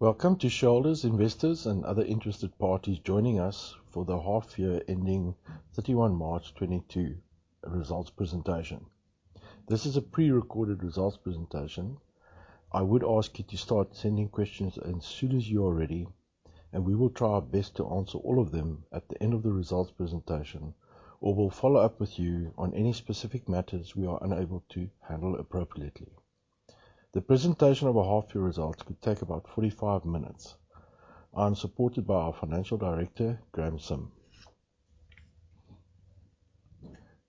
Welcome to shareholders, investors, and other interested parties joining us for the half year ending 31 March 2022 results presentation. This is a pre-recorded results presentation. I would ask you to start sending questions as soon as you are ready, and we will try our best to answer all of them at the end of the results presentation, or we'll follow up with you on any specific matters we are unable to handle appropriately. The presentation of our half year results could take about 45 minutes. I am supported by our Financial Director, Graeme Sim.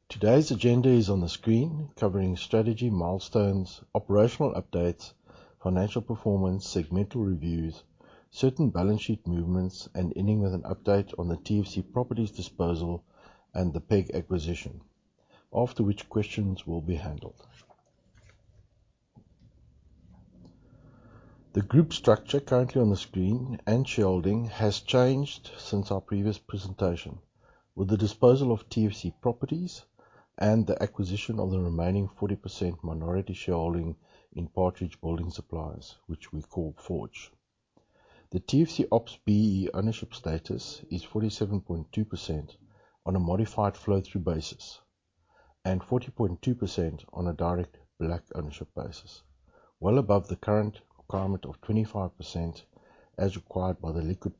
Today's agenda is on the screen covering strategy milestones, operational updates, financial performance, segmental reviews, certain balance sheet movements, and ending with an update on the TFC Properties disposal and the PEG acquisition. After which, questions will be handled. The group structure currently on the screen and shareholding has changed since our previous presentation. With the disposal of TFC Properties and the acquisition of the remaining 40% minority shareholding in Partridge Building Supplies, which we call Forge. The TFC Ops BEE ownership status is 47.2% on a modified flow-through basis, and 40.2% on a direct black ownership basis, well above the current requirement of 25% as required by the Liquid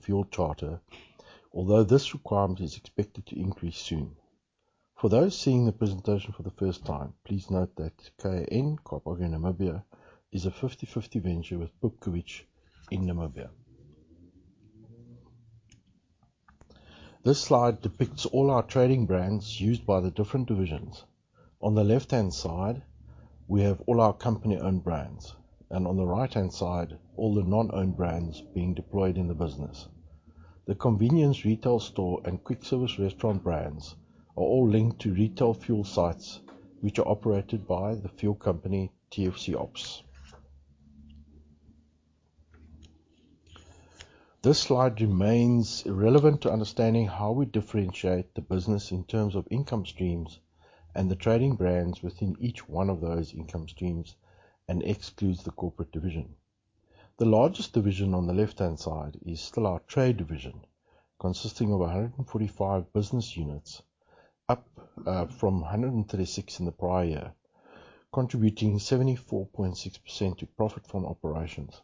Fuels Charter, although this requirement is expected to increase soon. For those seeing the presentation for the first time, please note that KAN, Kaap Agri Namibia, is a 50/50 venture with Pupkewitz in Namibia. This slide depicts all our trading brands used by the different divisions. On the left-hand side, we have all our company-owned brands, and on the right-hand side, all the non-owned brands being deployed in the business. The convenience retail store and quick service restaurant brands are all linked to retail fuel sites, which are operated by the fuel company, TFC Ops. This slide remains relevant to understanding how we differentiate the business in terms of income streams and the trading brands within each one of those income streams, and excludes the corporate division. The largest division on the left-hand side is still our trade division, consisting of 145 business units, up from 136 in the prior year, contributing 74.6% to profit from operations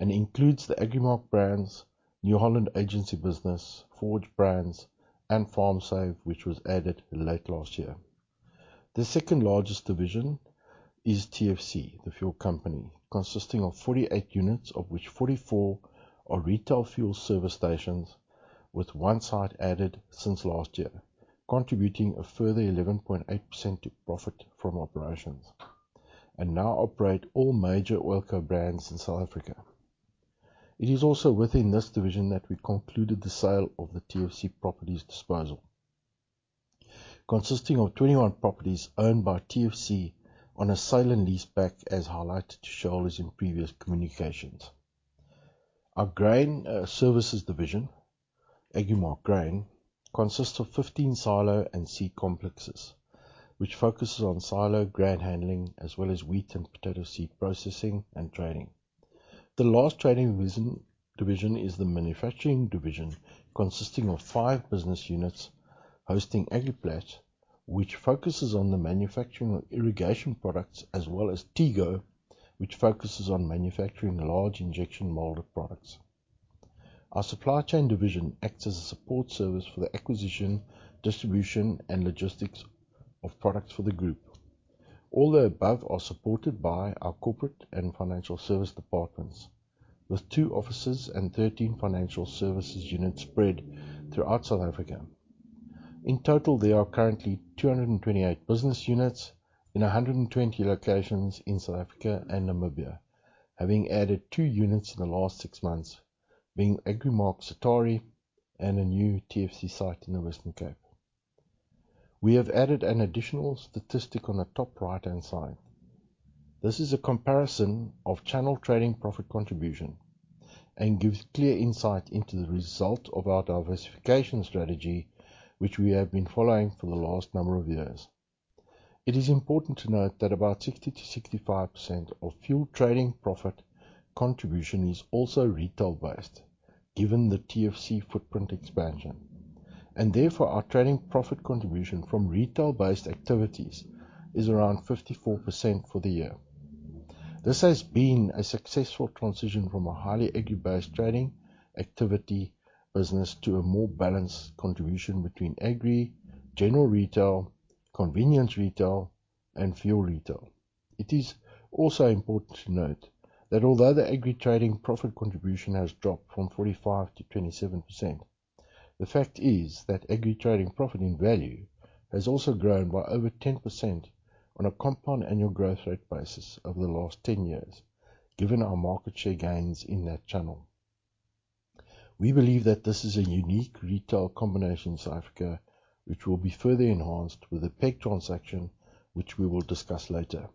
and includes the Agrimark brands, New Holland Agency business, Forge Brands, and FarmSave, which was added late last year. The second-largest division is TFC, the fuel company, consisting of 48 units, of which 44 are retail fuel service stations, with one site added since last year, contributing a further 11.8% to profit from operations and now operate all major oil co-brands in South Africa. It is also within this division that we concluded the sale of the TFC Properties disposal consisting of 21 properties owned by TFC on a sale and leaseback, as highlighted to shareholders in previous communications. Our grain services division, Agrimark Grain, consists of 15 silo and seed complexes, which focuses on silo grain handling as well as wheat and potato seed processing and trading. The last division is the manufacturing division, consisting of five business units hosting Agriplas, which focuses on the manufacturing of irrigation products as well as Tego, which focuses on manufacturing large injection molded products. Our supply chain division acts as a support service for the acquisition, distribution, and logistics of products for the group. All the above are supported by our corporate and financial service departments, with two offices and 13 financial services units spread throughout South Africa. In total, there are currently 228 business units in 120 locations in South Africa and Namibia, having added two units in the last six months, being Agrimark Sitari and a new TFC site in the Western Cape. We have added an additional statistic on the top right-hand side. This is a comparison of channel trading profit contribution and gives clear insight into the result about our diversification strategy, which we have been following for the last number of years. It is important to note that about 60%-65% of fuel trading profit contribution is also retail-based, given the TFC footprint expansion. Therefore, our trading profit contribution from retail-based activities is around 54% for the year. This has been a successful transition from a highly agri-based trading activity business to a more balanced contribution between agri, general retail, convenience retail, and fuel retail. It is also important to note that although the agri trading profit contribution has dropped from 45%-27%, the fact is that agri trading profit in value has also grown by over 10% on a compound annual growth rate basis over the last 10 years, given our market share gains in that channel. We believe that this is a unique retail combination in South Africa, which will be further enhanced with the PEG transaction, which we will discuss later.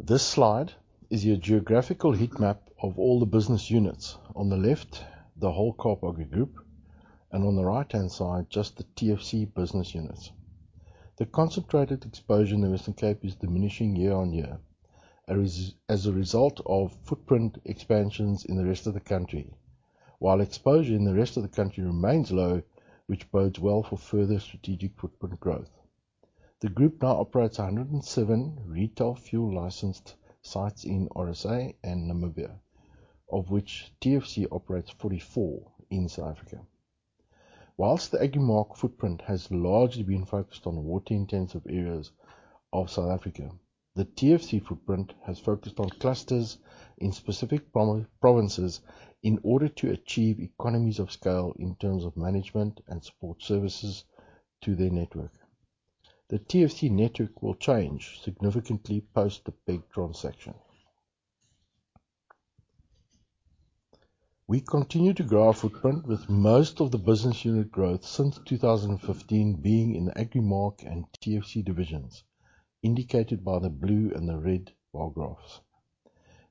This slide is your geographical heat map of all the business units. On the left, the whole Kaap Agri Group. On the right-hand side, just the TFC business units. The concentrated exposure in the Western Cape is diminishing year on year, as a result of footprint expansions in the rest of the country, while exposure in the rest of the country remains low, which bodes well for further strategic footprint growth. The group now operates 107 retail fuel licensed sites in RSA and Namibia, of which TFC operates 44 in South Africa. While the Agrimark footprint has largely been focused on water-intensive areas of South Africa, the TFC footprint has focused on clusters in specific provinces in order to achieve economies of scale in terms of management and support services to their network. The TFC network will change significantly post the big transaction. We continue to grow our footprint with most of the business unit growth since 2015 being in the Agrimark and TFC divisions, indicated by the blue and the red bar graphs,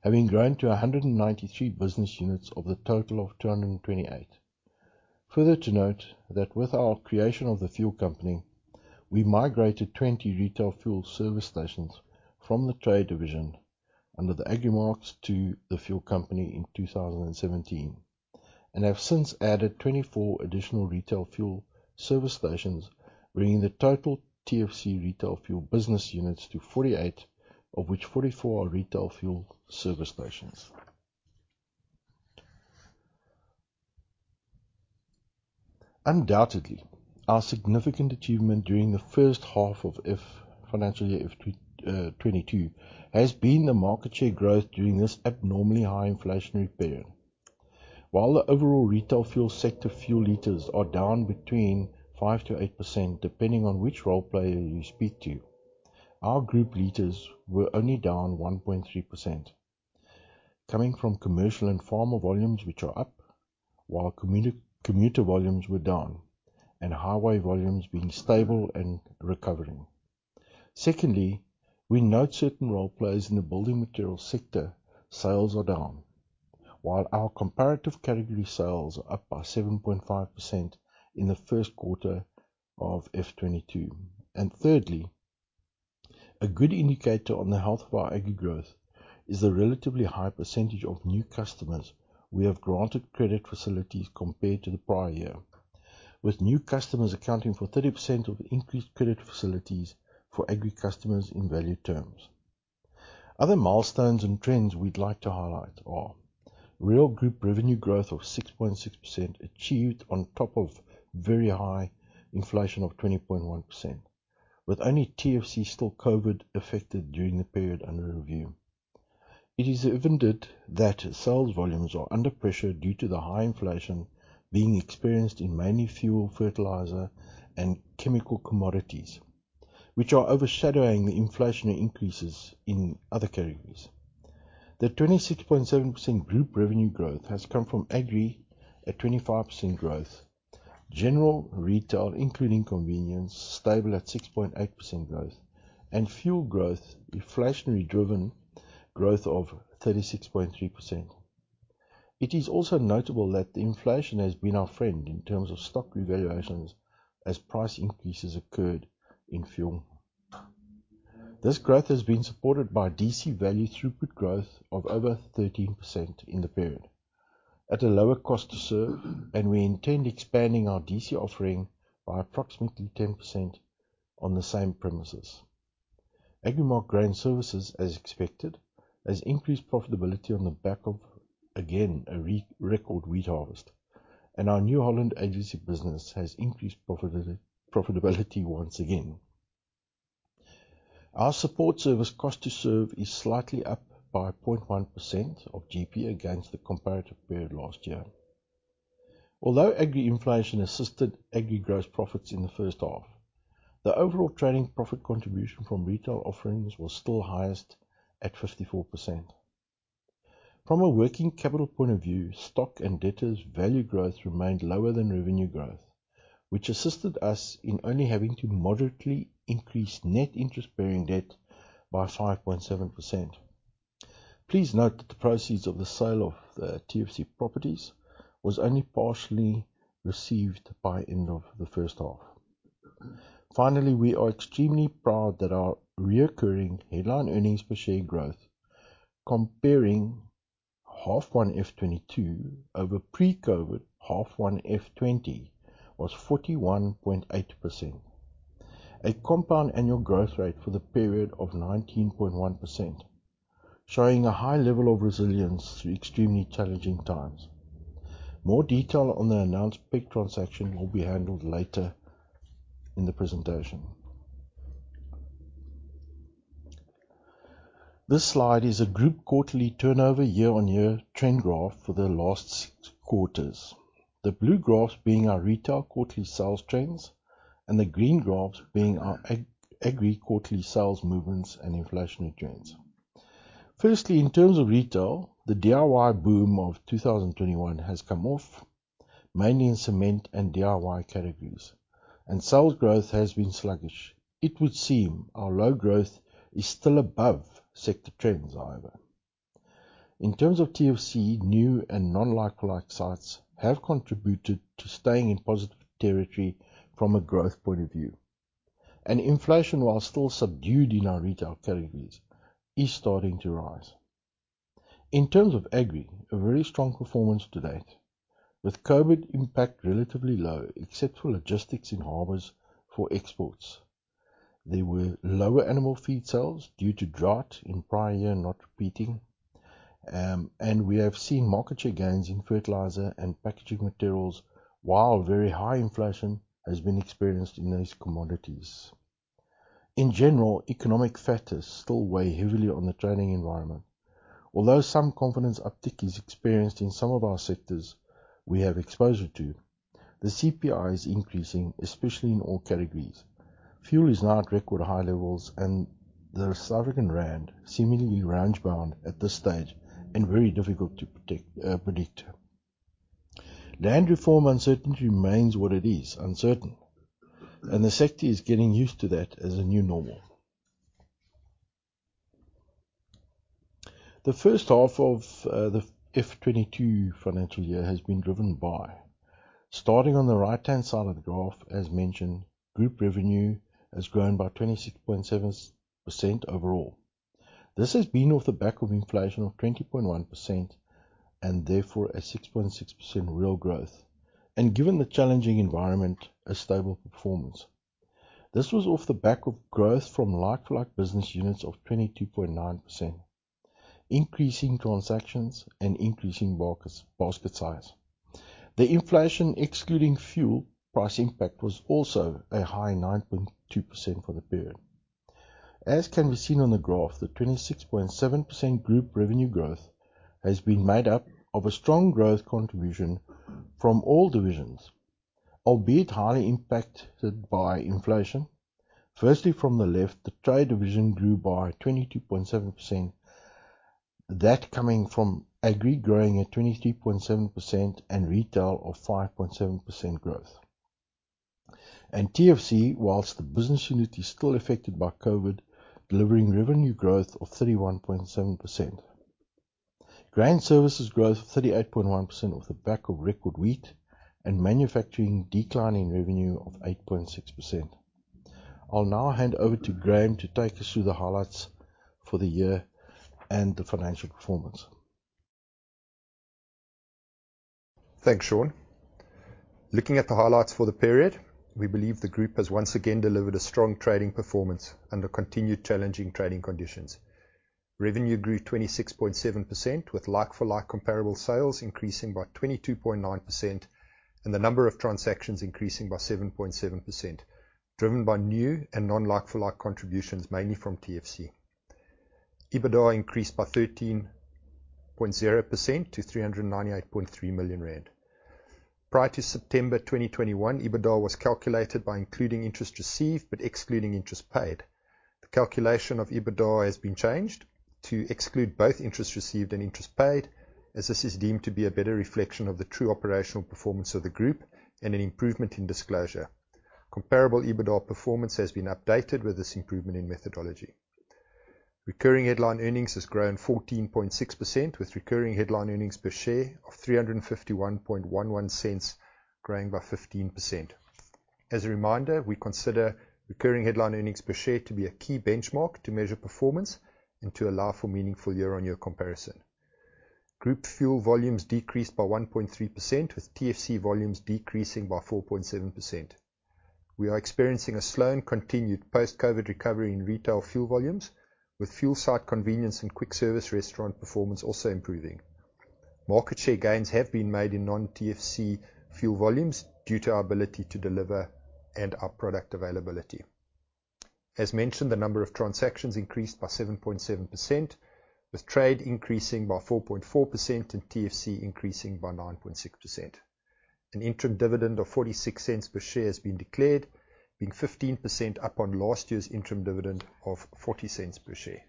having grown to 193 business units of the total of 228. Further to note that with our creation of the fuel company, we migrated 20 retail fuel service stations from the trade division under the Agrimark's to the fuel company in 2017. We have since added 24 additional retail fuel service stations, bringing the total TFC retail fuel business units to 48, of which 44 are retail fuel service stations. Undoubtedly, our significant achievement during the first half of financial year FY 2022 has been the market share growth during this abnormally high inflationary period. While the overall retail fuel sector fuel liters are down between 5%-8%, depending on which role player you speak to, our group liters were only down 1.3%, coming from commercial and farmer volumes, which are up while commuter volumes were down and highway volumes being stable and recovering. Secondly, we note certain role players in the building material sector sales are down, while our comparative category sales are up by 7.5% in the first quarter of FY 2022. Thirdly, a good indicator on the health of our agri growth is the relatively high percentage of new customers we have granted credit facilities compared to the prior year, with new customers accounting for 30% of increased credit facilities for agri customers in value terms. Other milestones and trends we'd like to highlight are real group revenue growth of 6.6% achieved on top of very high inflation of 20.1%, with only TFC still COVID affected during the period under review. It is evident that sales volumes are under pressure due to the high inflation being experienced in mainly fuel, fertilizer, and chemical commodities, which are overshadowing the inflationary increases in other categories. The 26.7% group revenue growth has come from agri at 25% growth, general retail, including convenience, stable at 6.8% growth, and fuel growth, inflationary-driven growth of 36.3%. It is also notable that the inflation has been our friend in terms of stock revaluations as price increases occurred in fuel. This growth has been supported by DC value throughput growth of over 13% in the period at a lower cost to serve and we intend expanding our DC offering by approximately 10% on the same premises. Agrimark Grain Services, as expected, has increased profitability on the back of, again, a re-record wheat harvest. Our New Holland agency business has increased profitability once again. Our support service cost to serve is slightly up by 0.1% of GP against the comparative period last year. Although agri inflation assisted agri gross profits in the first half, the overall trading profit contribution from retail offerings was still highest at 54%. From a working capital point of view, stock and debtors value growth remained lower than revenue growth, which assisted us in only having to moderately increase net interest-bearing debt by 5.7%. Please note that the proceeds of the sale of the TFC Properties was only partially received by end of the first half. Finally, we are extremely proud that our recurring headline earnings per share growth comparing H1 FY 2022 over pre-COVID H1 FY 2020 was 41.8%. A compound annual growth rate for the period of 19.1%, showing a high level of resilience through extremely challenging times. More detail on the announced PEG transaction will be handled later in the presentation. This slide is a group quarterly turnover year-on-year trend graph for the last quarters. The blue graphs being our retail quarterly sales trends and the green graphs being our agri quarterly sales movements and inflationary trends. Firstly, in terms of retail, the DIY boom of 2021 has come off, mainly in cement and DIY categories, and sales growth has been sluggish. It would seem our low growth is still above sector trends, however. In terms of TFC, new and non like-for-like sites have contributed to staying in positive territory from a growth point of view. Inflation, while still subdued in our retail categories, is starting to rise. In terms of agri, a very strong performance to date, with COVID impact relatively low, except for logistics in harbors for exports. There were lower animal feed sales due to drought in prior year not repeating. We have seen market share gains in fertilizer and packaging materials, while very high inflation has been experienced in those commodities. In general, economic factors still weigh heavily on the trading environment. Although some confidence uptick is experienced in some of our sectors we have exposure to, the CPI is increasing, especially in all categories. Fuel is now at record high levels, and the South African rand seemingly range bound at this stage and very difficult to predict. Land reform uncertainty remains what it is, uncertain, and the sector is getting used to that as a new normal. The first half of the FY 2022 financial year has been driven by. Starting on the right-hand side of the graph, as mentioned, group revenue has grown by 26.7% overall. This has been off the back of inflation of 20.1% and therefore a 6.6% real growth. Given the challenging environment, a stable performance. This was off the back of growth from like-for-like business units of 22.9%, increasing transactions and increasing market basket size. The inflation excluding fuel price impact was also a high 9.2% for the period. As can be seen on the graph, the 26.7% group revenue growth has been made up of a strong growth contribution from all divisions, albeit highly impacted by inflation. Firstly, from the left, the trade division grew by 22.7%, that coming from agri growing at 23.7% and retail of 5.7% growth. TFC, while the business unit is still affected by COVID, delivering revenue growth of 31.7%. Grain services growth of 38.1% off the back of record wheat, and manufacturing declining revenue of 8.6%. I'll now hand over to Graeme to take us through the highlights for the year and the financial performance. Thanks, Sean. Looking at the highlights for the period, we believe the group has once again delivered a strong trading performance under continued challenging trading conditions. Revenue grew 26.7%, with like-for-like comparable sales increasing by 22.9% and the number of transactions increasing by 7.7%, driven by new and non-like for like contributions, mainly from TFC. EBITDA increased by 13.0% to 398.3 million rand. Prior to September 2021, EBITDA was calculated by including interest received but excluding interest paid. The calculation of EBITDA has been changed to exclude both interest received and interest paid, as this is deemed to be a better reflection of the true operational performance of the group and an improvement in disclosure. Comparable EBITDA performance has been updated with this improvement in methodology. Recurring headline earnings has grown 14.6%, with recurring headline earnings per share of 3.5111 growing by 15%. As a reminder, we consider recurring headline earnings per share to be a key benchmark to measure performance and to allow for meaningful year-on-year comparison. Group fuel volumes decreased by 1.3%, with TFC volumes decreasing by 4.7%. We are experiencing a slow and continued post-COVID recovery in retail fuel volumes, with fuel site convenience and quick service restaurant performance also improving. Market share gains have been made in non-TFC fuel volumes due to our ability to deliver and our product availability. As mentioned, the number of transactions increased by 7.7%, with trade increasing by 4.4% and TFC increasing by 9.6%. An interim dividend of 0.46 per share has been declared, being 15% up on last year's interim dividend of 0.40 per share.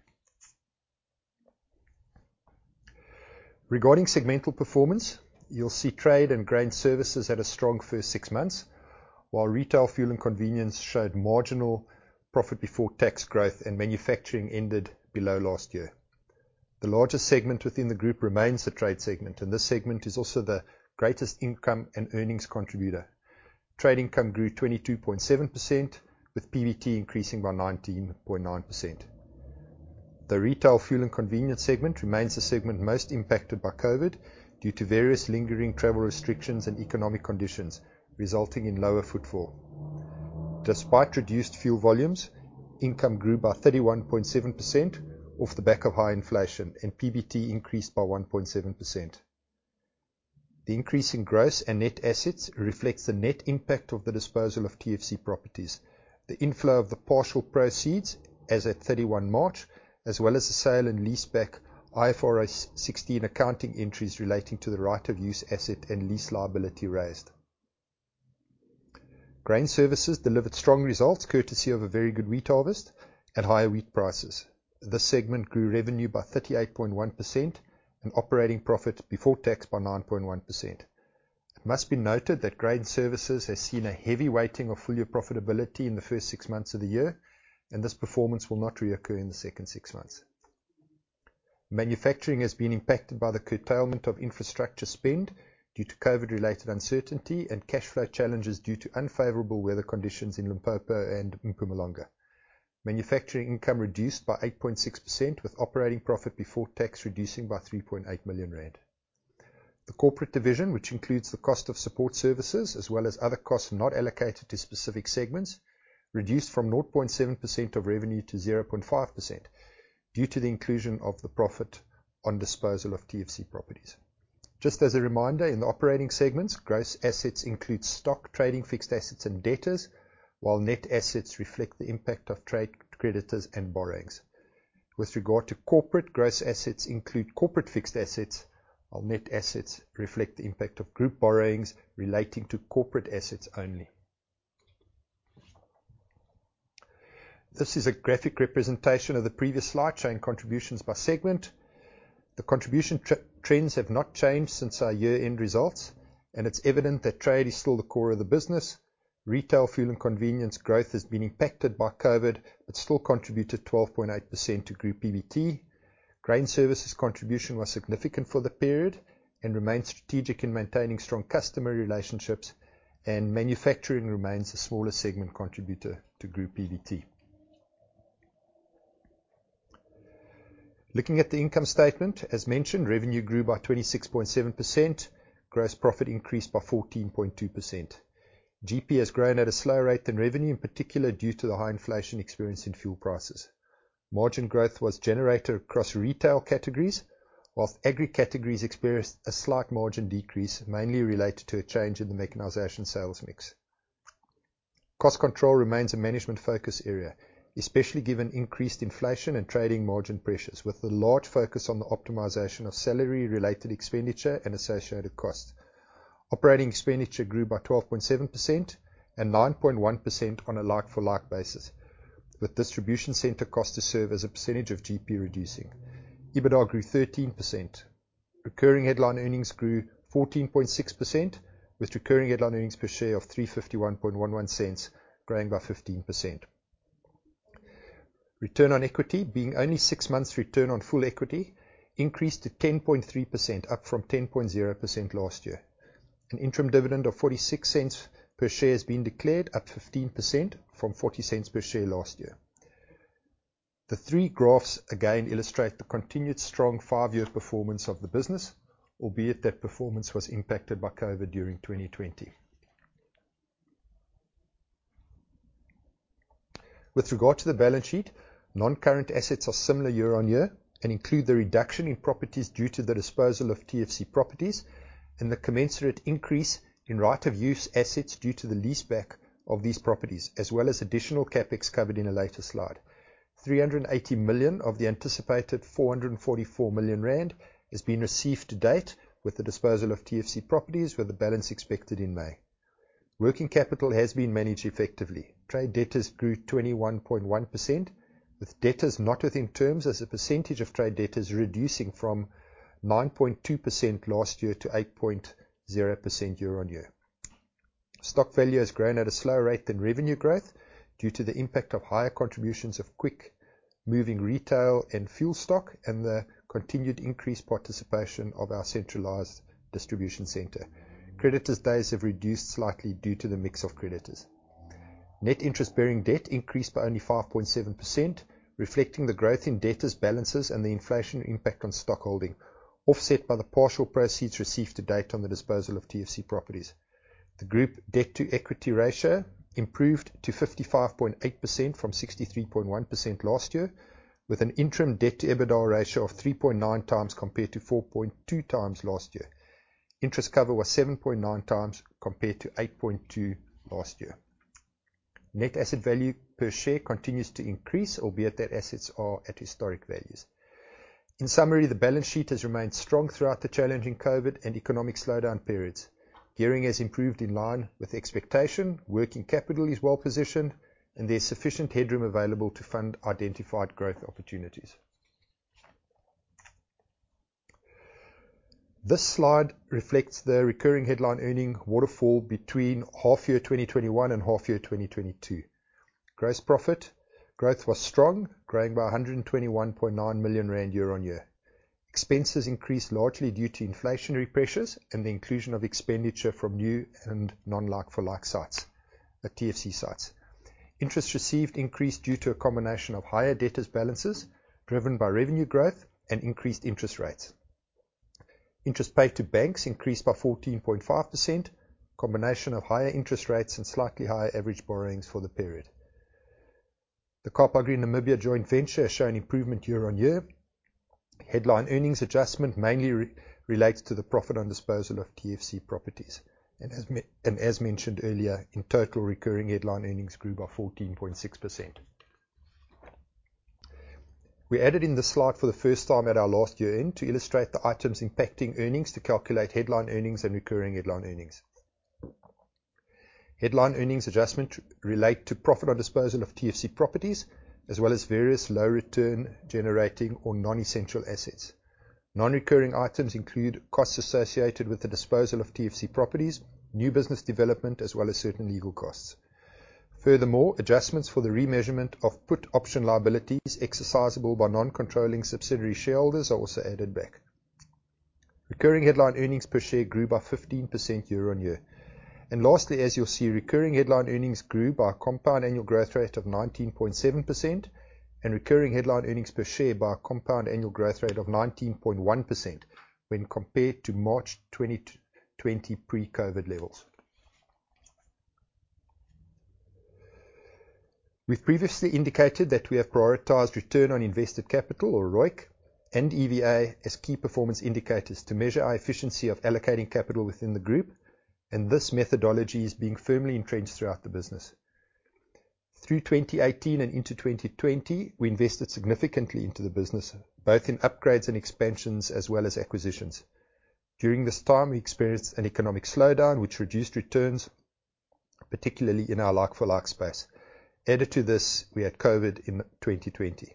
Regarding segmental performance, you'll see trade and grain services had a strong first six months, while retail fuel and convenience showed marginal profit before tax growth and manufacturing ended below last year. The largest segment within the group remains the trade segment, and this segment is also the greatest income and earnings contributor. Trade income grew 22.7%, with PBT increasing by 19.9%. The retail fuel and convenience segment remains the segment most impacted by COVID due to various lingering travel restrictions and economic conditions resulting in lower footfall. Despite reduced fuel volumes, income grew by 31.7% off the back of high inflation and PBT increased by 1.7%. The increase in gross and net assets reflects the net impact of the disposal of TFC Properties. The inflow of the partial proceeds as at 31 March, as well as the sale and lease back IFRS 16 accounting entries relating to the right of use asset and lease liability raised. Grain services delivered strong results courtesy of a very good wheat harvest and higher wheat prices. This segment grew revenue by 38.1% and operating profit before tax by 9.1%. It must be noted that grain services has seen a heavy weighting of full year profitability in the first six months of the year, and this performance will not reoccur in the second six months. Manufacturing has been impacted by the curtailment of infrastructure spend due to COVID-related uncertainty and cash flow challenges due to unfavorable weather conditions in Limpopo and Mpumalanga. Manufacturing income reduced by 8.6% with operating profit before tax reducing by 3.8 million rand. The corporate division, which includes the cost of support services as well as other costs not allocated to specific segments, reduced from 0.7% of revenue to 0.5% due to the inclusion of the profit on disposal of TFC Properties. Just as a reminder, in the operating segments, gross assets include stock trading, fixed assets and debtors, while net assets reflect the impact of trade creditors and borrowings. With regard to corporate, gross assets include corporate fixed assets, while net assets reflect the impact of group borrowings relating to corporate assets only. This is a graphic representation of the previous slide, showing contributions by segment. The contribution trends have not changed since our year-end results, and it's evident that trade is still the core of the business. Retail, fuel and convenience growth has been impacted by COVID, but still contributed 12.8% to group PBT. Grain services contribution was significant for the period and remains strategic in maintaining strong customer relationships, and manufacturing remains the smallest segment contributor to group PBT. Looking at the income statement, as mentioned, revenue grew by 26.7%. Gross profit increased by 14.2%. GP has grown at a slower rate than revenue, in particular due to the high inflation experienced in fuel prices. Margin growth was generated across retail categories, while agri categories experienced a slight margin decrease, mainly related to a change in the mechanization sales mix. Cost control remains a management focus area, especially given increased inflation and trading margin pressures, with a large focus on the optimization of salary related expenditure and associated costs. Operating expenditure grew by 12.7% and 9.1% on a like-for-like basis, with distribution center cost to serve as a percentage of GP reducing. EBITDA grew 13%. Recurring headline earnings grew 14.6% with recurring headline earnings per share of 3.5111 growing by 15%. Return on equity being only six months return on full equity increased to 10.3%, up from 10.0% last year. An interim dividend of 0.46 per share has been declared up 15% from 0.40 per share last year. The three graphs again illustrate the continued strong five-year performance of the business, albeit that performance was impacted by COVID during 2020. With regard to the balance sheet, non-current assets are similar year-over-year and include the reduction in properties due to the disposal of TFC Properties and the commensurate increase in right-of-use assets due to the leaseback of these properties, as well as additional CapEx covered in a later slide. 380 million of the anticipated 444 million rand has been received to date with the disposal of TFC Properties with the balance expected in May. Working capital has been managed effectively. Trade debtors grew 21.1% with debtors not within terms as a percentage of trade debtors reducing from 9.2% last year to 8.0% year-over-year. Stock value has grown at a slower rate than revenue growth due to the impact of higher contributions of quick moving retail and fuel stock and the continued increased participation of our centralized distribution center. Creditors days have reduced slightly due to the mix of creditors. Net interest-bearing debt increased by only 5.7%, reflecting the growth in debtors balances and the inflation impact on stock holding, offset by the partial proceeds received to date on the disposal of TFC Properties. The group debt to equity ratio improved to 55.8% from 63.1% last year with an interim debt to EBITDA ratio of 3.9x compared to 4.2x last year. Interest cover was 7.9x compared to 8.2x last year. Net asset value per share continues to increase, albeit that assets are at historic values. In summary, the balance sheet has remained strong throughout the challenging COVID and economic slowdown periods. Gearing has improved in line with expectation. Working capital is well positioned and there's sufficient headroom available to fund identified growth opportunities. This slide reflects the recurring headline earnings waterfall between half year 2021 and half year 2022. Gross profit growth was strong, growing by 121.9 million rand year-on-year. Expenses increased largely due to inflationary pressures and the inclusion of expenditure from new and non-like-for-like sites, the TFC sites. Interest received increased due to a combination of higher debtors balances driven by revenue growth and increased interest rates. Interest paid to banks increased by 14.5%, combination of higher interest rates and slightly higher average borrowings for the period. The Kaap Agri Namibia joint venture has shown improvement year-on-year. Headline earnings adjustment mainly relates to the profit on disposal of TFC properties and as mentioned earlier, in total recurring headline earnings grew by 14.6%. We added in this slide for the first time at our last year-end to illustrate the items impacting earnings to calculate headline earnings and recurring headline earnings. Headline earnings adjustment relates to profit on disposal of TFC properties as well as various low return generating or non-essential assets. Non-recurring items include costs associated with the disposal of TFC properties, new business development, as well as certain legal costs. Furthermore, adjustments for the remeasurement of put option liabilities exercisable by non-controlling subsidiary shareholders are also added back. Recurring headline earnings per share grew by 15% year on year. Lastly, as you'll see, recurring headline earnings grew by a compound annual growth rate of 19.7% and recurring headline earnings per share by a compound annual growth rate of 19.1% when compared to March 2020 pre-COVID levels. We've previously indicated that we have prioritized return on invested capital or ROIC and EVA as key performance indicators to measure our efficiency of allocating capital within the group, and this methodology is being firmly entrenched throughout the business. Through 2018 and into 2020, we invested significantly into the business, both in upgrades and expansions as well as acquisitions. During this time, we experienced an economic slowdown which reduced returns, particularly in our like-for-like space. Added to this, we had COVID in 2020.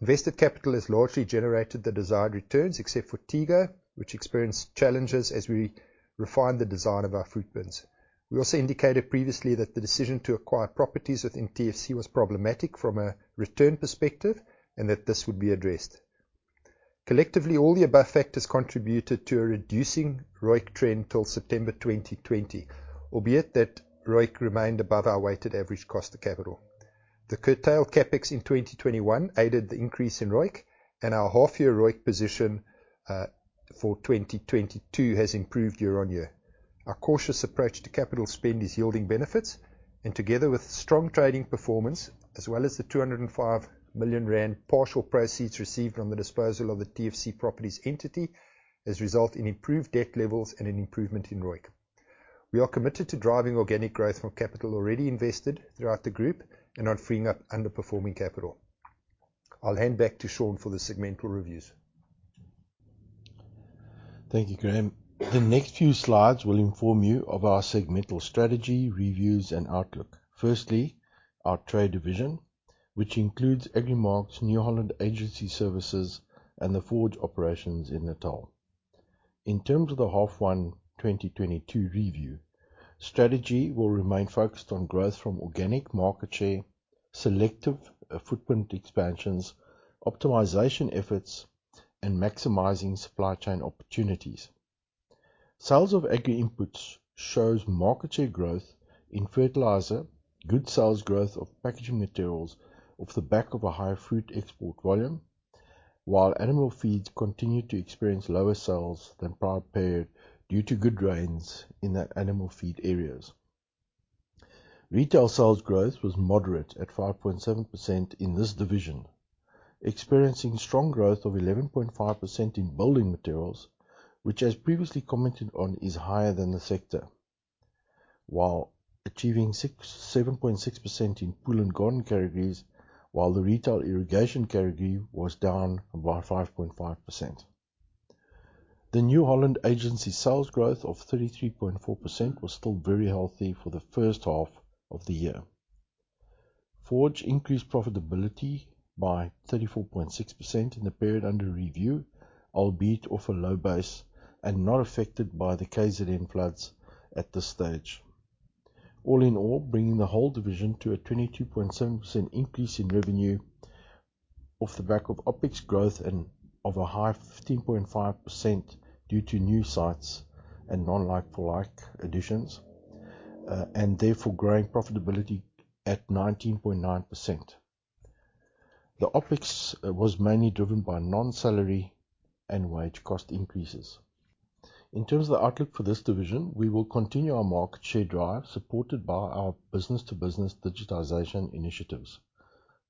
Invested capital has largely generated the desired returns, except for Tego, which experienced challenges as we refined the design of our footprints. We also indicated previously that the decision to acquire properties within TFC was problematic from a return perspective and that this would be addressed. Collectively, all the above factors contributed to a reducing ROIC trend till September 2020, albeit that ROIC remained above our weighted average cost of capital. The curtailed CapEx in 2021 aided the increase in ROIC, and our half year ROIC position for 2022 has improved year on year. Our cautious approach to capital spend is yielding benefits, and together with strong trading performance, as well as the 205 million rand partial proceeds received on the disposal of the TFC properties entity has resulted in improved debt levels and an improvement in ROIC. We are committed to driving organic growth from capital already invested throughout the group and on freeing up underperforming capital. I'll hand back to Sean for the segmental reviews. Thank you, Graeme. The next few slides will inform you of our segmental strategy, reviews, and outlook. Firstly, our trade division, which includes Agrimark's New Holland Agency Services and the Forge operations in Natal. In terms of the H1 2022 review, strategy will remain focused on growth from organic market share, selective footprint expansions, optimization efforts, and maximizing supply chain opportunities. Sales of agri inputs shows market share growth in fertilizer, good sales growth of packaging materials off the back of a high fruit export volume, while animal feeds continue to experience lower sales than prior period due to good rains in the animal feed areas. Retail sales growth was moderate at 5.7% in this division, experiencing strong growth of 11.5% in building materials, which, as previously commented on, is higher than the sector, while achieving 7.6% in pool and garden categories, while the retail irrigation category was down by 5.5%. The New Holland Agency sales growth of 33.4% was still very healthy for the first half of the year. Forge increased profitability by 34.6% in the period under review, albeit off a low base and not affected by the KZN floods at this stage. All in all, bringing the whole division to a 22.7% increase in revenue off the back of OpEx growth and of a high 15.5% due to new sites and non-like for like additions, and therefore growing profitability at 19.9%. The OpEx was mainly driven by non-salary and wage cost increases. In terms of the outlook for this division, we will continue our market share drive supported by our business-to-business digitization initiatives.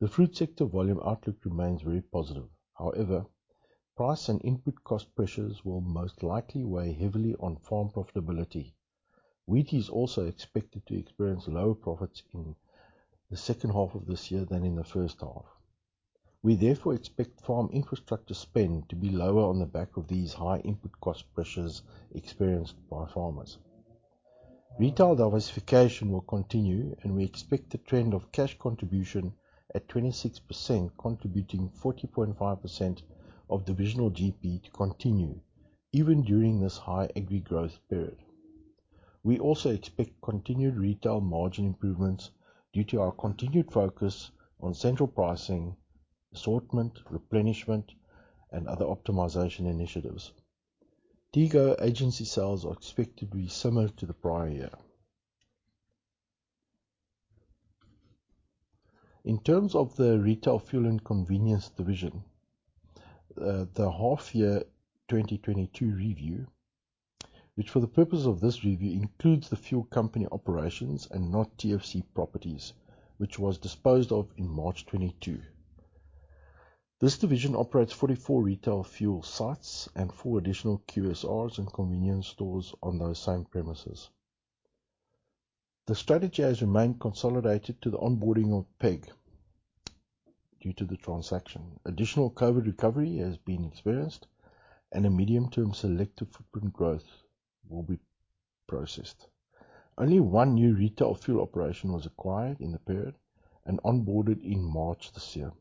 The fruit sector volume outlook remains very positive. However, price and input cost pressures will most likely weigh heavily on farm profitability. Wheat is also expected to experience lower profits in the second half of this year than in the first half. We therefore expect farm infrastructure spend to be lower on the back of these high input cost pressures experienced by farmers. Retail diversification will continue, and we expect the trend of cash contribution at 26% contributing 40.5% of divisional GP to continue even during this high agri growth period. We also expect continued retail margin improvements due to our continued focus on central pricing, assortment, replenishment, and other optimization initiatives. Tego Agency sales are expected to be similar to the prior year. In terms of the retail fuel and convenience division, the half year 2022 review, which for the purpose of this review includes the fuel company operations and not TFC properties, which was disposed of in March 2022. This division operates 44 retail fuel sites and four additional QSRs and convenience stores on those same premises. The strategy has remained consolidated to the onboarding of PEG due to the transaction. Additional COVID recovery has been experienced, and a medium-term selective footprint growth will be processed. Only one new retail fuel operation was acquired in the period and onboarded in March this year.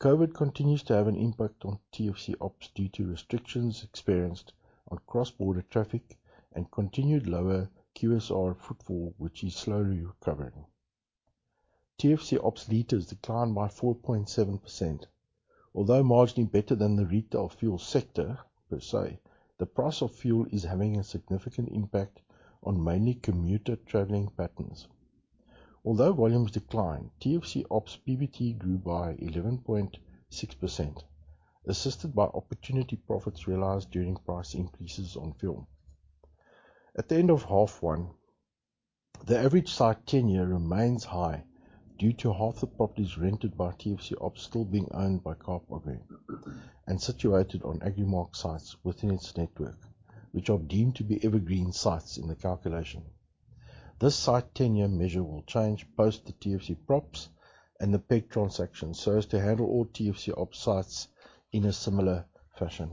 COVID continues to have an impact on TFC Ops due to restrictions experienced on cross-border traffic and continued lower QSR footfall, which is slowly recovering. TFC Ops liters declined by 4.7%. Although marginally better than the retail fuel sector per se, the price of fuel is having a significant impact on mainly commuter traveling patterns. Although volumes declined, TFC Ops PBT grew by 11.6%, assisted by opportunity profits realized during price increases on fuel. At the end of half one, the average site tenure remains high due to half the properties rented by TFC Ops still being owned by Kaap Agri Group and situated on Agrimark sites within its network, which are deemed to be evergreen sites in the calculation. This site tenure measure will change post the TFC Props and the PEG transaction, so as to handle all TFC Ops sites in a similar fashion.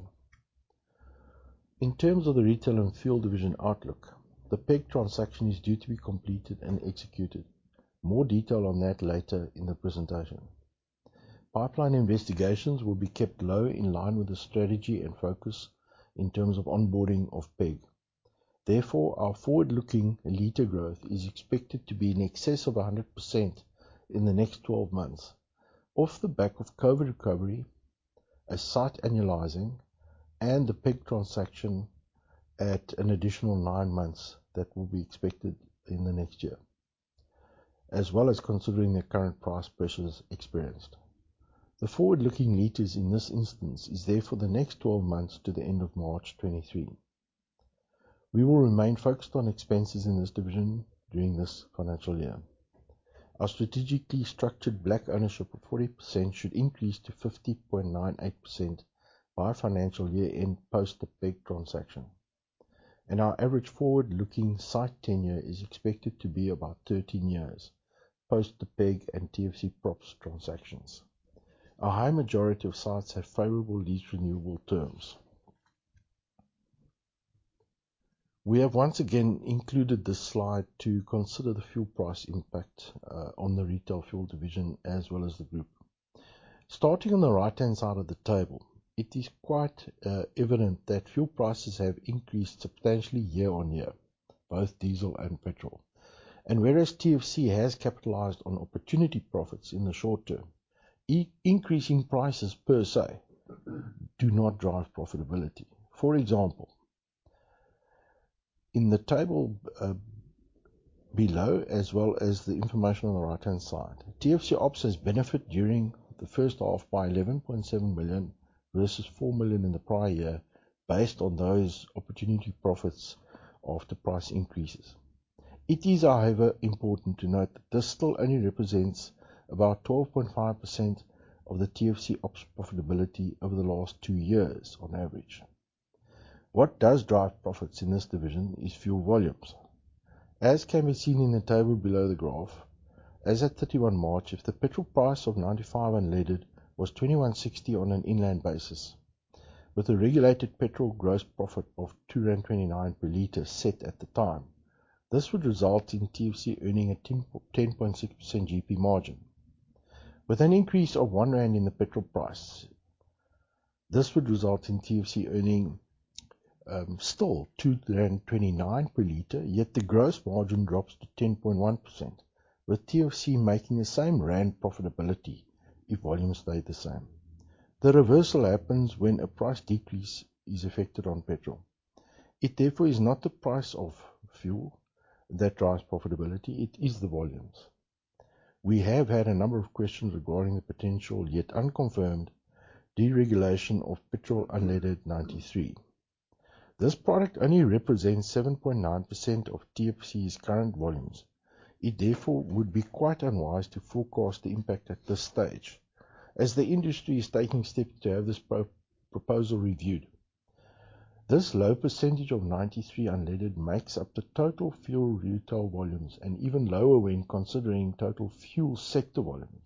In terms of the retail and fuel division outlook, the PEG transaction is due to be completed and executed. More detail on that later in the presentation. Pipeline investigations will be kept low in line with the strategy and focus in terms of onboarding of PEG. Therefore, our forward-looking liter growth is expected to be in excess of 100% in the next 12 months, off the back of COVID recovery, a site annualizing, and the PEG transaction at an additional nine months that will be expected in the next year, as well as considering the current price pressures experienced. The forward-looking liters in this instance is there for the next 12 months to the end of March 2023. We will remain focused on expenses in this division during this financial year. Our strategically structured black ownership of 40% should increase to 50.98% by our financial year-end post the PEG transaction. Our average forward-looking site tenure is expected to be about 13 years post the PEG and TFC Props transactions. A high majority of sites have favorable lease renewable terms. We have once again included this slide to consider the fuel price impact on the retail fuel division as well as the group. Starting on the right-hand side of the table, it is quite evident that fuel prices have increased substantially year-on-year, both diesel and petrol. Whereas TFC has capitalized on opportunity profits in the short term, increasing prices per se do not drive profitability. For example, in the table below as well as the information on the right-hand side, TFC Ops has benefited during the first half by 11.7 million versus 4 million in the prior year based on those opportunity profits of the price increases. It is, however, important to note that this still only represents about 12.5% of the TFC Ops profitability over the last two years on average. What does drive profits in this division is fuel volumes. As can be seen in the table below the graph, as at 31 March, if the petrol price of 95 unleaded was 21.60 on an inland basis, with a regulated petrol gross profit of 2.29 per liter set at the time, this would result in TFC earning a 10.6% GP margin. With an increase of 1 rand in the petrol price, this would result in TFC earning still 2.29 per liter, yet the gross margin drops to 10.1%, with TFC making the same rand profitability if volumes stay the same. The reversal happens when a price decrease is affected on petrol. It therefore is not the price of fuel that drives profitability, it is the volumes. We have had a number of questions regarding the potential, yet unconfirmed, deregulation of petrol unleaded 93. This product only represents 7.9% of TFC's current volumes. It therefore would be quite unwise to forecast the impact at this stage, as the industry is taking steps to have this proposal reviewed. This low percentage of 93 unleaded makes up the total fuel retail volumes and even lower when considering total fuel sector volume.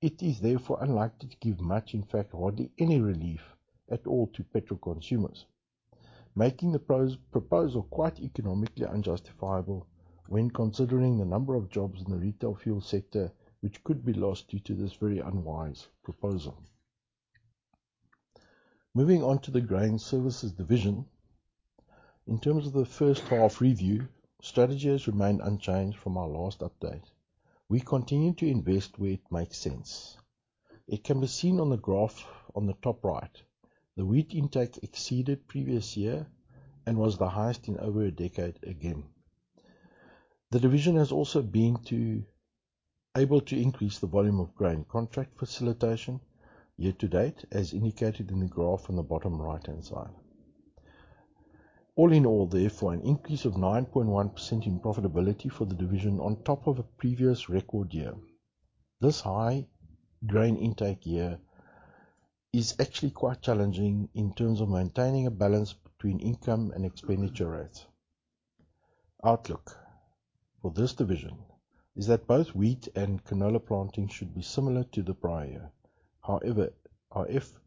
It is therefore unlikely to give much, in fact, hardly any relief at all to petrol consumers, making the proposal quite economically unjustifiable when considering the number of jobs in the retail fuel sector which could be lost due to this very unwise proposal. Moving on to the Agrimark Grain division. In terms of the first half review, strategy has remained unchanged from our last update. We continue to invest where it makes sense. It can be seen on the graph on the top right. The wheat intake exceeded previous year and was the highest in over a decade again. The division has also been able to increase the volume of grain contract facilitation year to date, as indicated in the graph on the bottom right-hand side. All in all, therefore, an increase of 9.1% in profitability for the division on top of a previous record year. This high grain intake year is actually quite challenging in terms of maintaining a balance between income and expenditure rates. Outlook for this division is that both wheat and canola planting should be similar to the prior year. However, if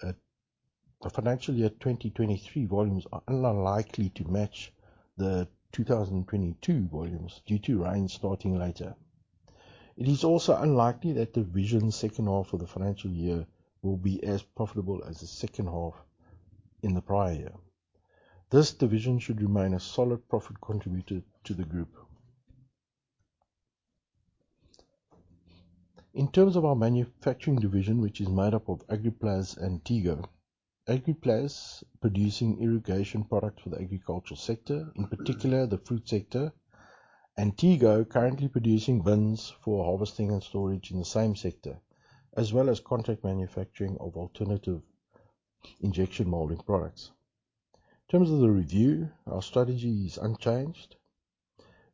the financial year 2023 volumes are unlikely to match the 2022 volumes due to rain starting later. It is also unlikely that the division's second half of the financial year will be as profitable as the second half in the prior year. This division should remain a solid profit contributor to the group. In terms of our manufacturing division, which is made up of Agriplas and Tego. Agriplas producing irrigation products for the agricultural sector, in particular, the fruit sector. Tego currently producing bins for harvesting and storage in the same sector, as well as contract manufacturing of alternative injection molding products. In terms of the review, our strategy is unchanged.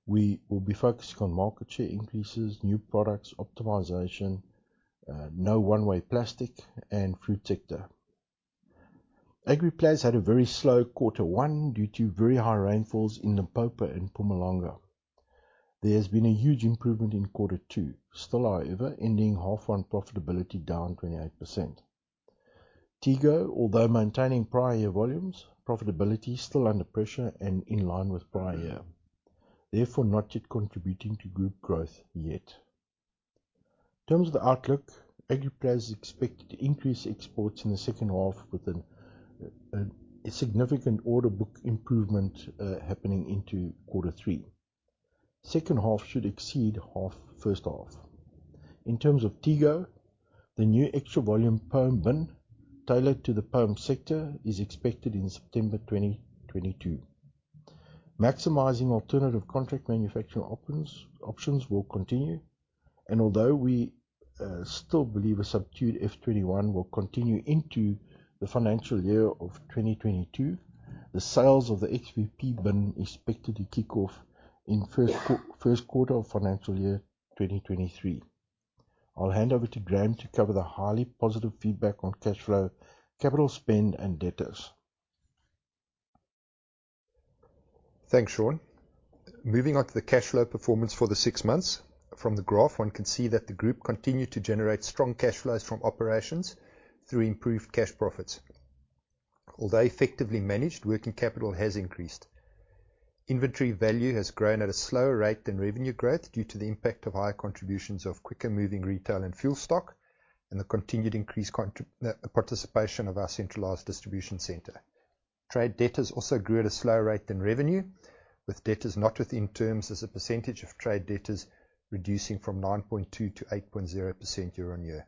We will be focusing on market share increases, new products optimization, non-woven plastic and fruit sector. Agriplas had a very slow quarter one due to very high rainfalls in Limpopo and Mpumalanga. There has been a huge improvement in quarter two. Still, however, ending half one profitability down 28%. Tego, although maintaining prior year volumes, profitability is still under pressure and in line with prior year, therefore not yet contributing to group growth yet. In terms of the outlook, Agriplas is expected to increase exports in the second half with a significant order book improvement happening into quarter three. Second half should exceed first half. In terms of Tego, the new extra volume pome bin tailored to the pome sector is expected in September 2022. Maximizing alternative contract manufacturing options will continue, and although we still believe a subdued FY 2021 will continue into the financial year 2022, the sales of the EVP bin is expected to kick off in first quarter of financial year 2023. I'll hand over to Graeme to cover the highly positive feedback on cash flow, capital spend and debtors. Thanks, Sean. Moving on to the cash flow performance for the six months. From the graph, one can see that the group continued to generate strong cash flows from operations through improved cash profits. Although effectively managed, working capital has increased. Inventory value has grown at a slower rate than revenue growth due to the impact of higher contributions of quicker-moving retail and fuel stock, and the continued increased participation of our centralized distribution center. Trade debtors also grew at a slower rate than revenue, with debtors not within terms as a percentage of trade debtors reducing from 9.2% to 8.0% year-on-year.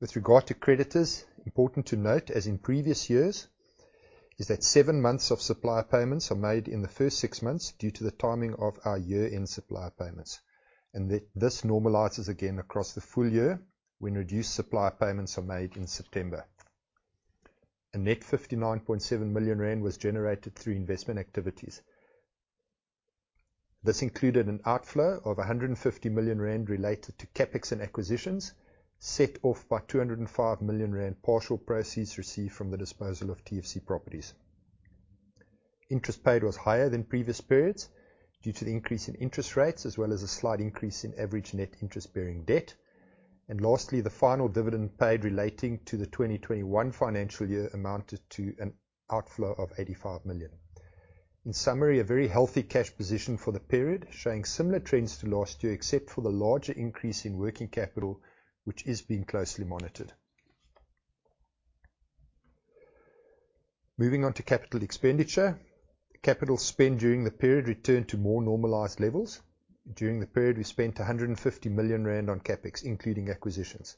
With regard to creditors, important to note, as in previous years, is that seven months of supplier payments are made in the first six months due to the timing of our year-end supplier payments. This normalizes again across the full year when reduced supplier payments are made in September. A net 59.7 million rand was generated through investment activities. This included an outflow of 150 million rand related to CapEx and acquisitions, set off by 205 million rand partial proceeds received from the disposal of TFC Properties. Interest paid was higher than previous periods due to the increase in interest rates, as well as a slight increase in average net interest-bearing debt. Lastly, the final dividend paid relating to the 2021 financial year amounted to an outflow of 85 million. In summary, a very healthy cash position for the period, showing similar trends to last year, except for the larger increase in working capital, which is being closely monitored. Moving on to capital expenditure. Capital spend during the period returned to more normalized levels. During the period, we spent 150 million rand on CapEx, including acquisitions.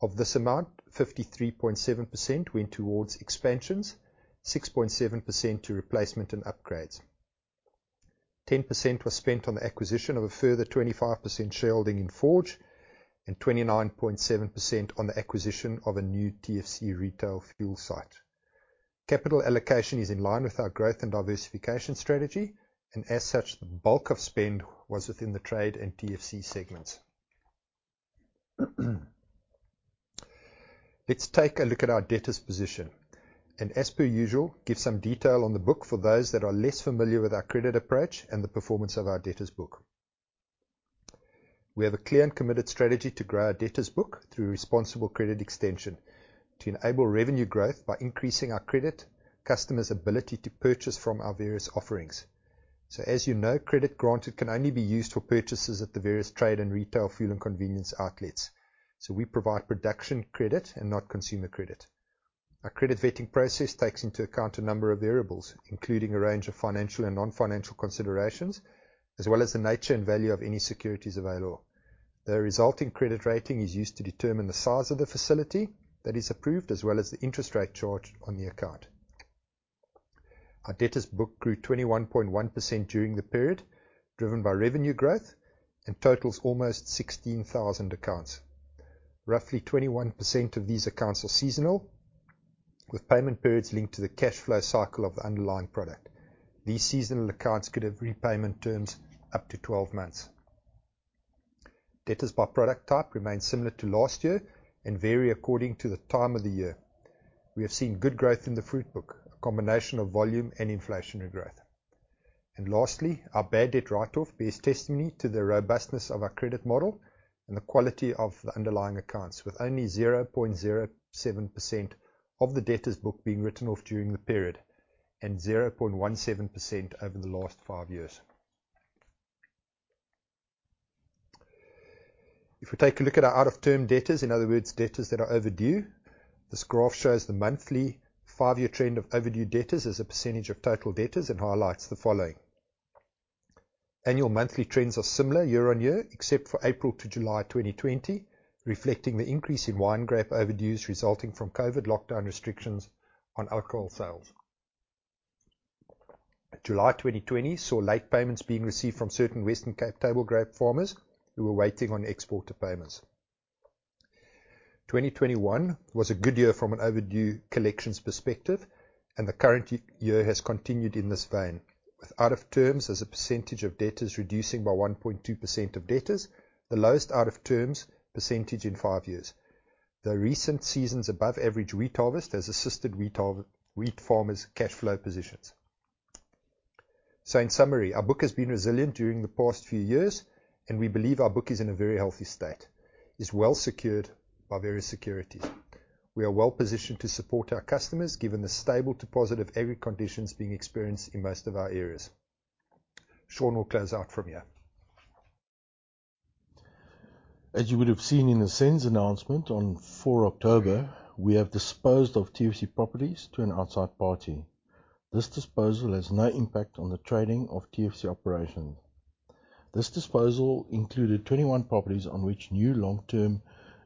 Of this amount, 53.7% went towards expansions, 6.7% to replacement and upgrades. 10% was spent on the acquisition of a further 25% shareholding in Forge, and 29.7% on the acquisition of a new TFC retail fuel site. Capital allocation is in line with our growth and diversification strategy, and as such, the bulk of spend was within the trade and TFC segments. Let's take a look at our debtors position, and as per usual, give some detail on the book for those that are less familiar with our credit approach and the performance of our debtors book. We have a clear and committed strategy to grow our debtors book through responsible credit extension to enable revenue growth by increasing our credit customers' ability to purchase from our various offerings. As you know, credit granted can only be used for purchases at the various trade and retail fuel and convenience outlets. We provide production credit and not consumer credit. Our credit vetting process takes into account a number of variables, including a range of financial and non-financial considerations, as well as the nature and value of any securities available. The resulting credit rating is used to determine the size of the facility that is approved, as well as the interest rate charged on the account. Our debtors book grew 21.1% during the period, driven by revenue growth and totals almost 16,000 accounts. Roughly 21% of these accounts are seasonal, with payment periods linked to the cash flow cycle of the underlying product. These seasonal accounts could have repayment terms up to 12 months. Debtors by product type remain similar to last year and vary according to the time of the year. We have seen good growth in the fruit book, a combination of volume and inflationary growth. Lastly, our bad debt write-off bears testimony to the robustness of our credit model and the quality of the underlying accounts, with only 0.07% of the debtors book being written off during the period and 0.17% over the last five years. If we take a look at our out of term debtors, in other words, debtors that are overdue, this graph shows the monthly five-year trend of overdue debtors as a percentage of total debtors and highlights the following. Annual monthly trends are similar year on year, except for April to July 2020, reflecting the increase in wine grape overdues resulting from COVID lockdown restrictions on alcohol sales. July 2020 saw late payments being received from certain Western Cape table grape farmers who were waiting on exporter payments. 2021 was a good year from an overdue collections perspective, and the current year has continued in this vein, with out of terms as a percentage of debtors reducing by 1.2% of debtors, the lowest out of terms percentage in five years. The recent season's above-average wheat harvest has assisted wheat farmers' cash flow positions. In summary, our book has been resilient during the past few years, and we believe our book is in a very healthy state, is well secured by various securities. We are well-positioned to support our customers given the stable to positive agri conditions being experienced in most of our areas. Sean will close out from here. As you would have seen in the SENS announcement on 4 October, we have disposed of TFC Properties to an outside party. This disposal has no impact on the trading of TFC Operations. This disposal included 21 properties on which new long-term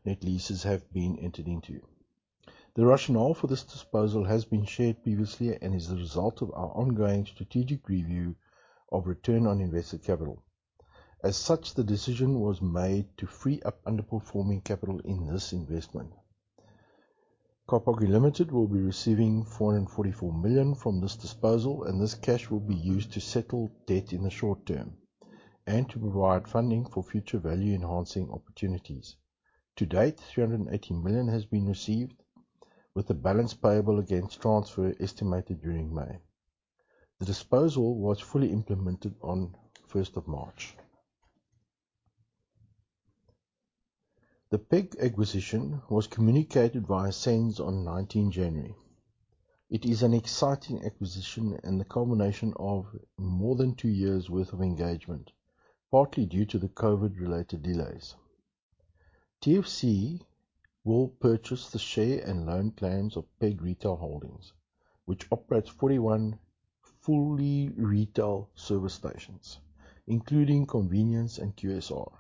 net leases have been entered into. The rationale for this disposal has been shared previously and is a result of our ongoing strategic review of return on invested capital. As such, the decision was made to free up underperforming capital in this investment. Kaap Agri Limited will be receiving 444 million from this disposal, and this cash will be used to settle debt in the short term and to provide funding for future value-enhancing opportunities. To date, 380 million has been received, with the balance payable against transfer estimated during May. The disposal was fully implemented on 1 March. The PEG acquisition was communicated via SENS on 19th January. It is an exciting acquisition and the culmination of more than two years' worth of engagement, partly due to the COVID-related delays. TFC will purchase the share and loan plans of PEG Retail Holdings, which operates 41 fully retail service stations, including convenience and QSR.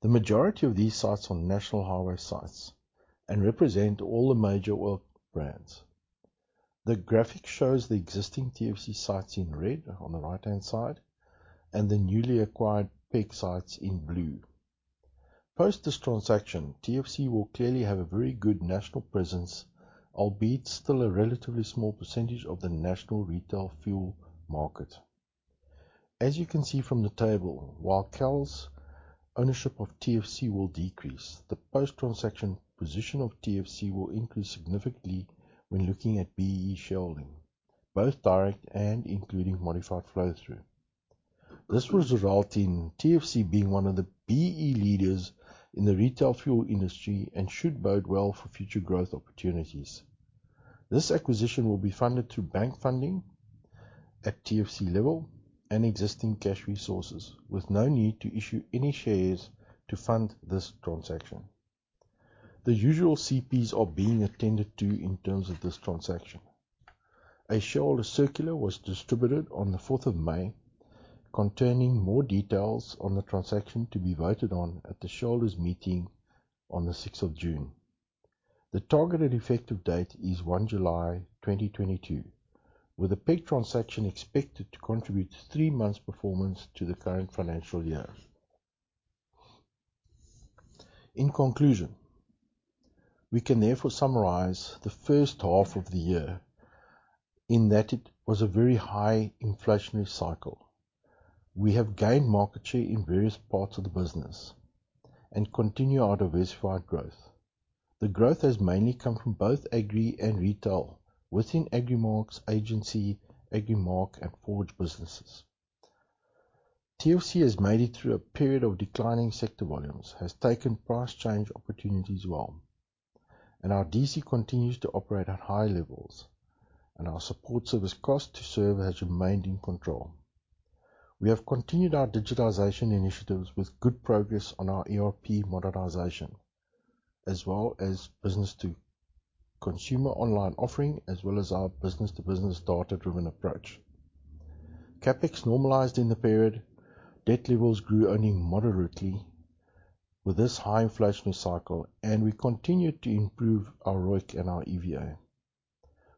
The majority of these sites are national highway sites and represent all the major oil brands. The graphic shows the existing TFC sites in red on the right-hand side and the newly acquired PEG sites in blue. Post this transaction, TFC will clearly have a very good national presence, albeit still a relatively small percentage of the national retail fuel market. As you can see from the table, while KAL's ownership of TFC will decrease, the post-transaction position of TFC will increase significantly when looking at BEE sharing, both direct and including modified flow-through. This will result in TFC being one of the BEE leaders in the retail fuel industry and should bode well for future growth opportunities. This acquisition will be funded through bank funding at TFC level and existing cash resources, with no need to issue any shares to fund this transaction. The usual CPs are being attended to in terms of this transaction. A shareholder circular was distributed on the fourth of May concerning more details on the transaction to be voted on at the shareholders' meeting on the sixth of June. The targeted effective date is 1 July 2022, with the PEG transaction expected to contribute three months' performance to the current financial year. In conclusion, we can therefore summarize the first half of the year in that it was a very high inflationary cycle. We have gained market share in various parts of the business and continue our diversified growth. The growth has mainly come from both agri and retail within Agrimark's agency, Agrimark, and Forge businesses. TFC has made it through a period of declining sector volumes, has taken price change opportunities well, and our DC continues to operate at high levels, and our support service cost to serve has remained in control. We have continued our digitalization initiatives with good progress on our ERP modernization as well as business-to-consumer online offering, as well as our business-to-business data-driven approach. CapEx normalized in the period. Debt levels grew only moderately with this high inflationary cycle, and we continued to improve our ROIC and our EVA.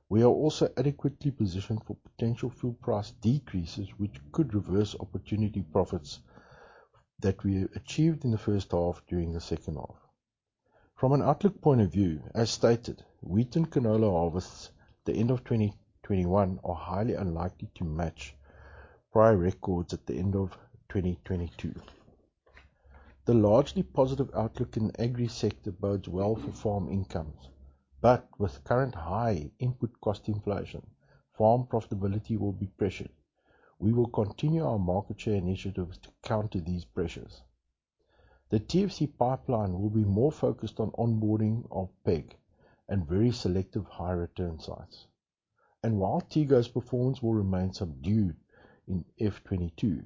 We are also adequately positioned for potential fuel price decreases, which could reverse opportunity profits that we achieved in the first half during the second half. From an outlook point of view, as stated, wheat and canola harvests at the end of 2021 are highly unlikely to match prior records at the end of 2022. The largely positive outlook in the agri sector bodes well for farm incomes, but with current high input cost inflation, farm profitability will be pressured. We will continue our market share initiatives to counter these pressures. The TFC pipeline will be more focused on onboarding of PEG and very selective high return sites. While Tego's performance will remain subdued in FY 2022,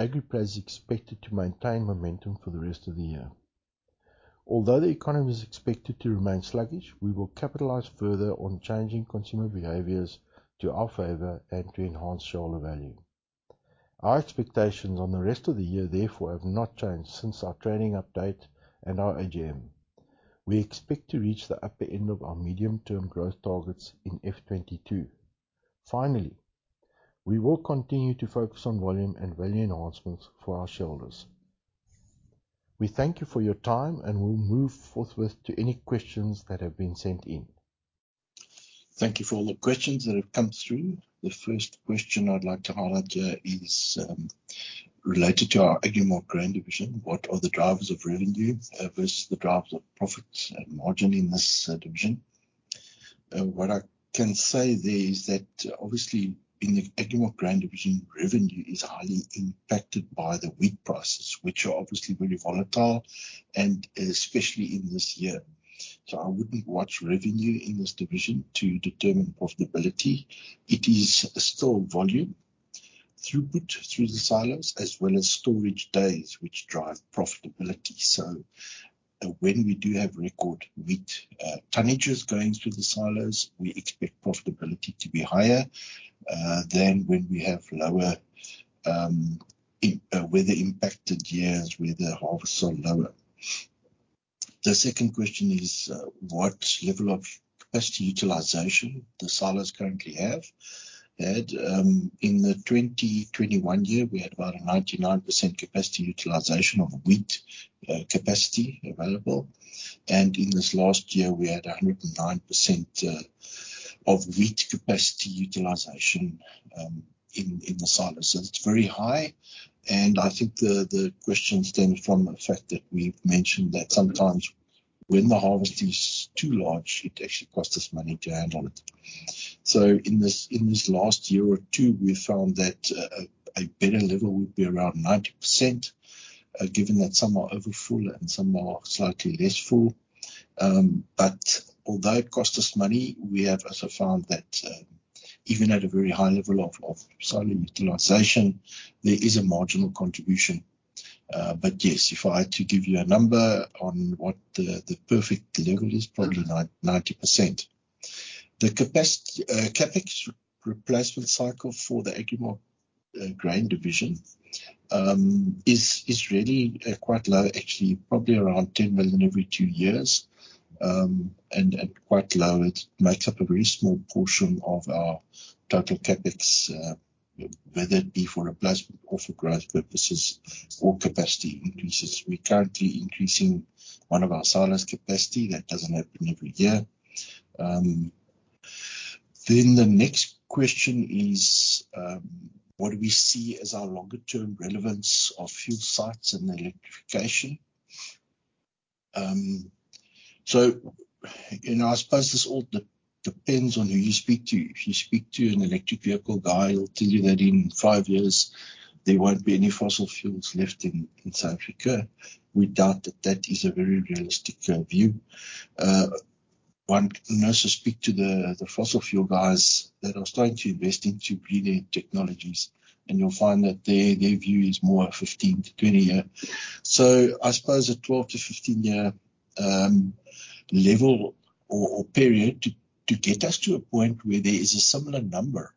Agriplas is expected to maintain momentum for the rest of the year. Although the economy is expected to remain sluggish, we will capitalize further on changing consumer behaviors to our favor and to enhance shareholder value. Our expectations on the rest of the year, therefore, have not changed since our trading update and our AGM. We expect to reach the upper end of our medium-term growth targets in FY 2022. Finally, we will continue to focus on volume and value enhancements for our shareholders. We thank you for your time, and we'll move forthwith to any questions that have been sent in. Thank you for all the questions that have come through. The first question I'd like to highlight is related to our Agrimark Grain division. What are the drivers of revenue versus the drivers of profits and margin in this division? What I can say there is that obviously in the Agrimark Grain division, revenue is highly impacted by the wheat prices, which are obviously very volatile and especially in this year. I wouldn't watch revenue in this division to determine profitability. It is still volume throughput through the silos as well as storage days which drive profitability. When we do have record wheat tonnages going through the silos, we expect profitability to be higher than when we have lower weather impacted years where the harvests are lower. The second question is, what level of capacity utilization the silos currently have? In the 2021 year, we had about a 99% capacity utilization of wheat capacity available. In this last year, we had a 109% of wheat capacity utilization in the silos. It's very high, and I think the question stems from the fact that we've mentioned that sometimes when the harvest is too large, it actually costs us money to handle it. In this last year or two, we've found that a better level would be around 90%, given that some are overfull and some are slightly less full. Although it costs us money, we have also found that even at a very high level of silo utilization, there is a marginal contribution. Yes, if I had to give you a number on what the perfect level is, probably 90%. The capacity CapEx replacement cycle for the Agrimark Grain division is really quite low, actually. Probably around 10 million every two years. At quite low it makes up a very small portion of our total CapEx, whether it be for replacement or for growth purposes or capacity increases. We're currently increasing one of our silos capacity. That doesn't happen every year. The next question is, what do we see as our longer-term relevance of fuel sites and electrification? You know, I suppose this all depends on who you speak to. If you speak to an electric vehicle guy, he'll tell you that in five years there won't be any fossil fuels left in South Africa. We doubt that is a very realistic view. One can also speak to the fossil fuel guys that are starting to invest into greener technologies, and you'll find that their view is more 15-year to 20-year. I suppose a 12-year to 15-year level or period to get us to a point where there is a similar number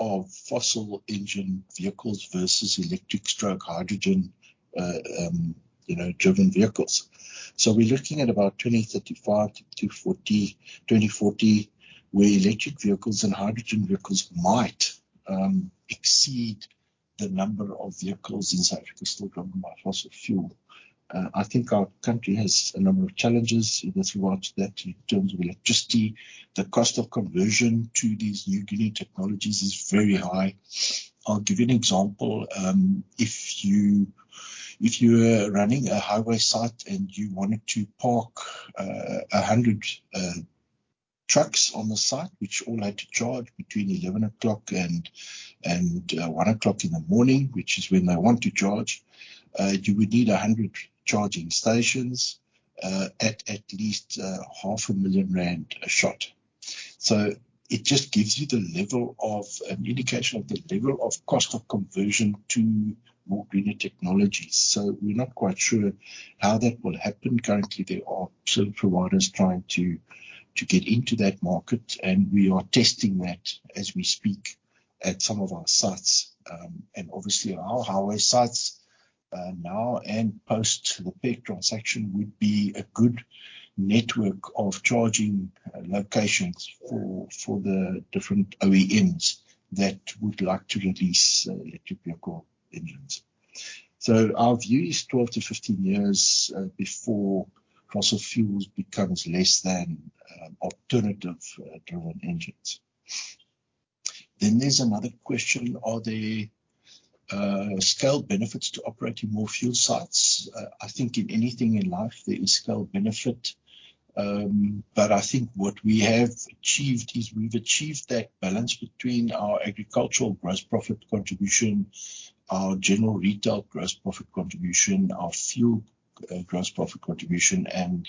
of fossil engine vehicles versus electric/hydrogen, you know, driven vehicles. We're looking at about 2035-2040, 2040 where electric vehicles and hydrogen vehicles might exceed the number of vehicles in South Africa still driven by fossil fuel. I think our country has a number of challenges as regards to that in terms of electricity. The cost of conversion to these new greener technologies is very high. I'll give you an example. If you were running a highway site and you wanted to park 100 trucks on the site which all had to charge between 11:00 P.M. and 1:00 A.M., which is when they want to charge, you would need 100 charging stations at least 500,000 rand a shot. It just gives you the level of. An indication of the level of cost of conversion to more greener technologies. We're not quite sure how that will happen. Currently, there are service providers trying to get into that market, and we are testing that as we speak at some of our sites. Obviously our highway sites now and post the PEG transaction would be a good network of charging locations for the different OEMs that would like to release electric vehicle engines. Our view is 12 years-15 years before fossil fuels becomes less than alternative driven engines. Then there's another question, are there scale benefits to operating more fuel sites? I think in anything in life there is scale benefit. I think what we have achieved is we've achieved that balance between our agricultural gross profit contribution, our general retail gross profit contribution, our fuel gross profit contribution, and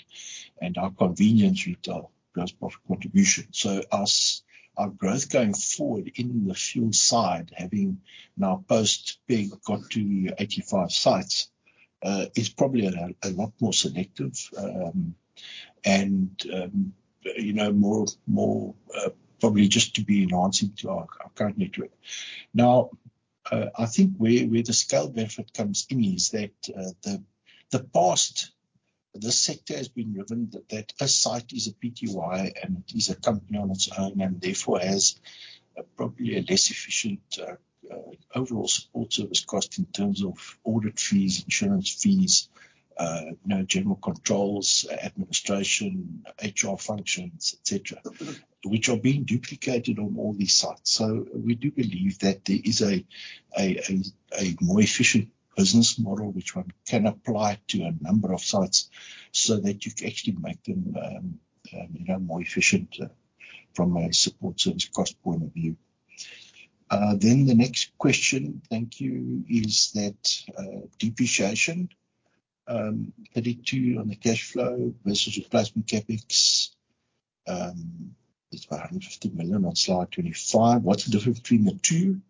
our convenience retail gross profit contribution. Our growth going forward in the fuel side, having now post-PEG got to 85 sites, is probably a lot more selective. You know, more probably just to be enhancing to our current network. I think where the scale benefit comes in is that in the past the sector has been driven that a site is a Pty, and it is a company on its own, and therefore has probably a less efficient overall support service cost in terms of audit fees, insurance fees, you know, general controls, administration, HR functions, et cetera, which are being duplicated on all these sites. We do believe that there is a more efficient business model which one can apply to a number of sites so that you can actually make them, you know, more efficient from a support service cost point of view. The next question, thank you, is that depreciation added to on the cash flow versus replacement CapEx is about 150 million on slide 25. What's the difference between the two?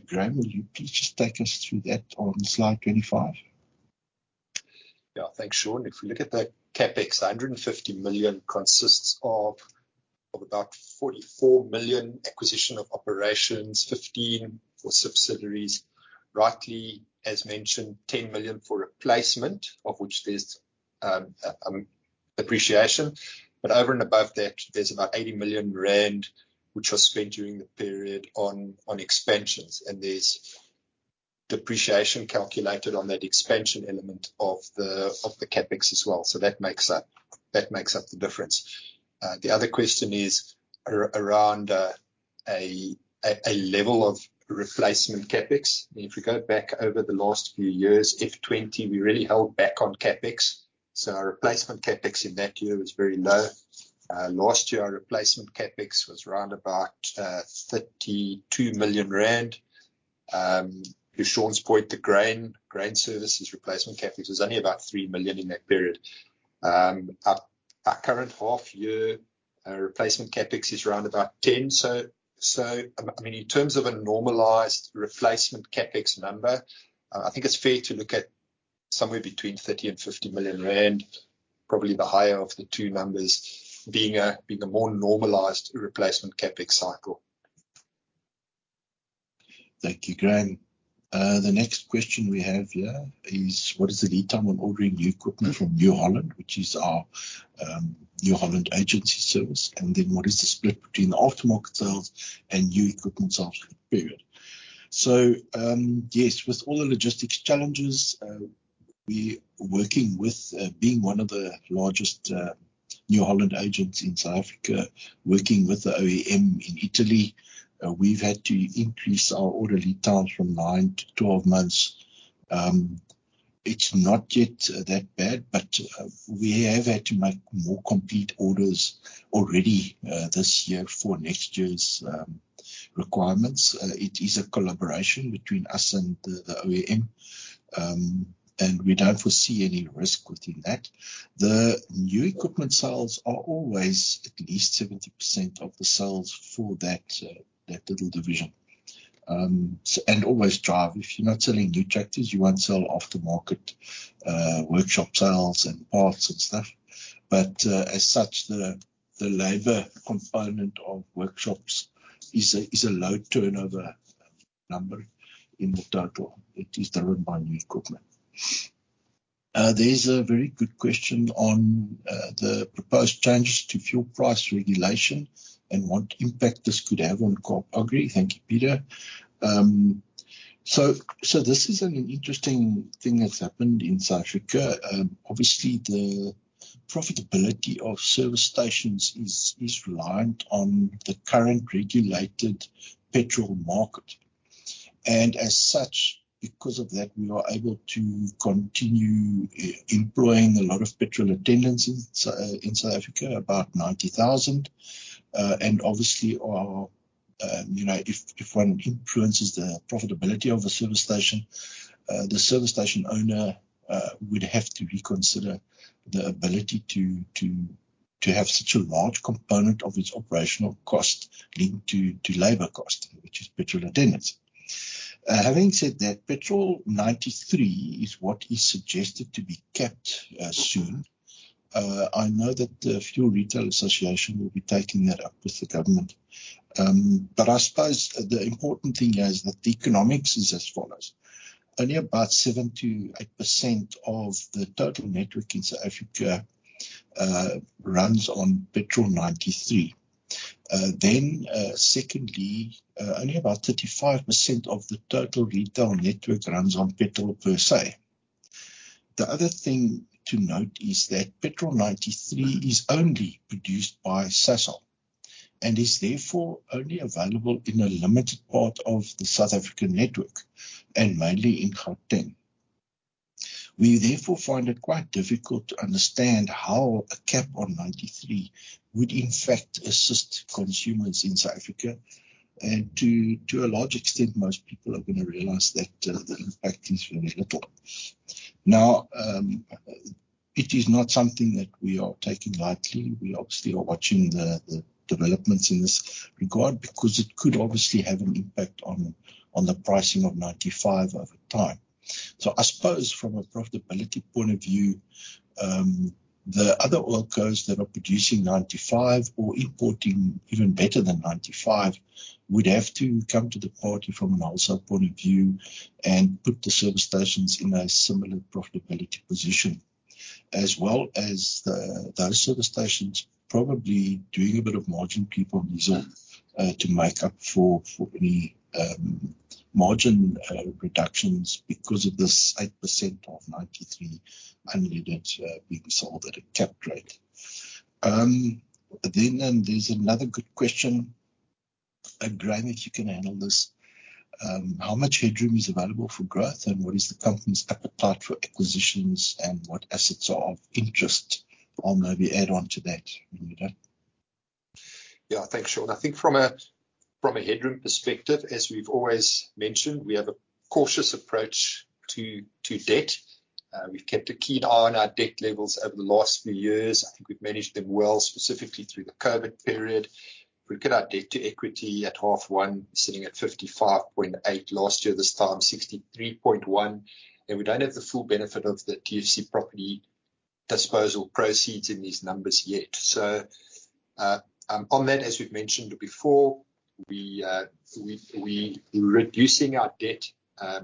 Graeme, will you please just take us through that on slide 25? Yeah. Thanks, Sean. If you look at that CapEx, 150 million consists of about 44 million acquisition of operations, 15 million for subsidiaries, rightly as mentioned, 10 million for replacement, of which there's depreciation. Over and above that, there's about 80 million rand which was spent during the period on expansions, and there's depreciation calculated on that expansion element of the CapEx as well. That makes up the difference. The other question is around a level of replacement CapEx. If we go back over the last few years, FY 2020 we really held back on CapEx, so our replacement CapEx in that year was very low. Last year our replacement CapEx was around about 32 million rand. To Sean's point, the grain services replacement CapEx was only about 3 million in that period. Our current half year replacement CapEx is around about 10 million. I mean, in terms of a normalized replacement CapEx number, I think it's fair to look at somewhere between 30 million-50 million rand, probably the higher of the two numbers being a more normalized replacement CapEx cycle. Thank you, Graeme. The next question we have here is what is the lead time when ordering new equipment from New Holland, which is our New Holland agency service, and then what is the split between the aftermarket sales and new equipment sales for the period? With all the logistics challenges, being one of the largest New Holland agents in South Africa, working with the OEM in Italy, we've had to increase our order lead times from nine to 12 months. It's not yet that bad, but we have had to make more complete orders already this year for next year's requirements. It is a collaboration between us and the OEM. We don't foresee any risk within that. The new equipment sales are always at least 70% of the sales for that little division and always drive. If you're not selling new tractors, you won't sell aftermarket workshop sales and parts and stuff. But as such, the labor component of workshops is a low turnover number in total. It is driven by new equipment. There's a very good question on the proposed changes to fuel price regulation and what impact this could have on Kaap Agri. Thank you, Peter. This is an interesting thing that's happened in South Africa. Obviously the profitability of service stations is reliant on the current regulated petrol market. As such, because of that, we are able to continue employing a lot of petrol attendants in South Africa, about 90,000. Obviously, you know, if one influences the profitability of a service station, the service station owner would have to reconsider the ability to have such a large component of its operational cost linked to labor cost, which is petrol attendants. Having said that, Petrol 93 is what is suggested to be capped soon. I know that the Fuel Retailers Association will be taking that up with the government. I suppose the important thing here is that the economics is as follows. Only about 7%-8% of the total network in South Africa runs on Petrol 93. Secondly, only about 35% of the total retail network runs on petrol per se. The other thing to note is that Petrol 93 is only produced by Sasol, and is therefore only available in a limited part of the South African network, and mainly in Gauteng. We therefore find it quite difficult to understand how a cap on 93 would in fact assist consumers in South Africa. To a large extent, most people are gonna realize that, the impact is very little. Now, it is not something that we are taking lightly. We obviously are watching the developments in this regard, because it could obviously have an impact on the pricing of 95 over time. I suppose from a profitability point of view, the other oil majors that are producing 95 or importing even better than 95 would have to come to the party from a wholesale point of view and put the service stations in a similar profitability position. As well as those service stations probably doing a bit of margin creep on diesel to make up for any margin reductions because of this 8% of 93 unleaded being sold at a capped rate. There's another good question, and Graeme, if you can handle this. How much headroom is available for growth? And what is the company's appetite for acquisitions? And what assets are of interest? I'll maybe add on to that when you're done. Yeah. Thanks, Sean. I think from a headroom perspective, as we've always mentioned, we have a cautious approach to debt. We've kept a keen eye on our debt levels over the last few years. I think we've managed them well, specifically through the COVID period. If we look at our debt to equity at half one, sitting at 55.8% last year this time 63.1%, and we don't have the full benefit of the TFC property disposal proceeds in these numbers yet. On that, as we've mentioned before, we reducing our debt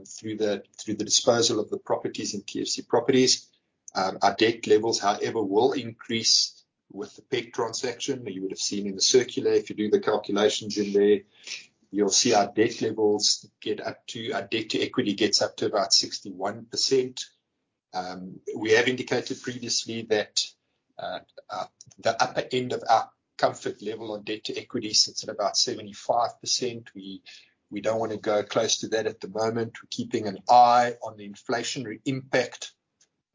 through the disposal of the properties in TFC Properties. Our debt levels, however, will increase with the PEG transaction. You would've seen in the circular, if you do the calculations in there, you'll see our debt levels get up to. Our debt to equity gets up to about 61%. We have indicated previously that the upper end of our comfort level on debt to equity sits at about 75%. We don't wanna go close to that at the moment. We're keeping an eye on the inflationary impact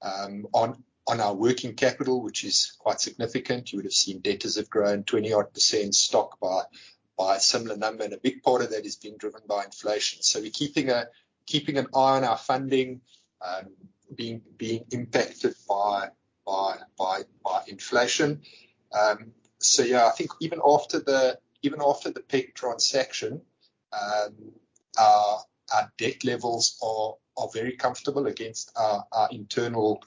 on our working capital, which is quite significant. You would've seen debtors have grown 20-odd%, stock by a similar number, and a big part of that is being driven by inflation. We're keeping an eye on our funding being impacted by inflation. Yeah, I think even after the PEG transaction, our debt levels are very comfortable against our internal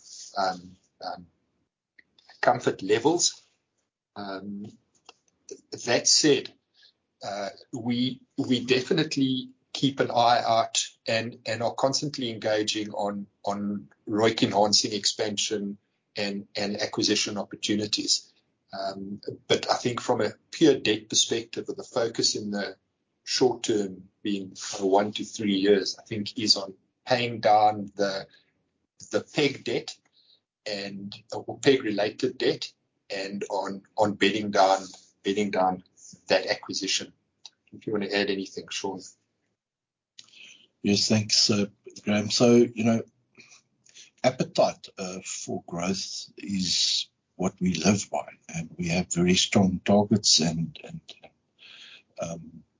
comfort levels. That said, we definitely keep an eye out and are constantly engaging on ROIC enhancing expansion and acquisition opportunities. But I think from a pure debt perspective, with the focus in the short term being for one to three years, I think is on paying down the PEG debt and, or PEG related debt, and on bedding down that acquisition. If you wanna add anything, Sean. Yes. Thanks, Graeme. You know, appetite for growth is what we live by, and we have very strong targets and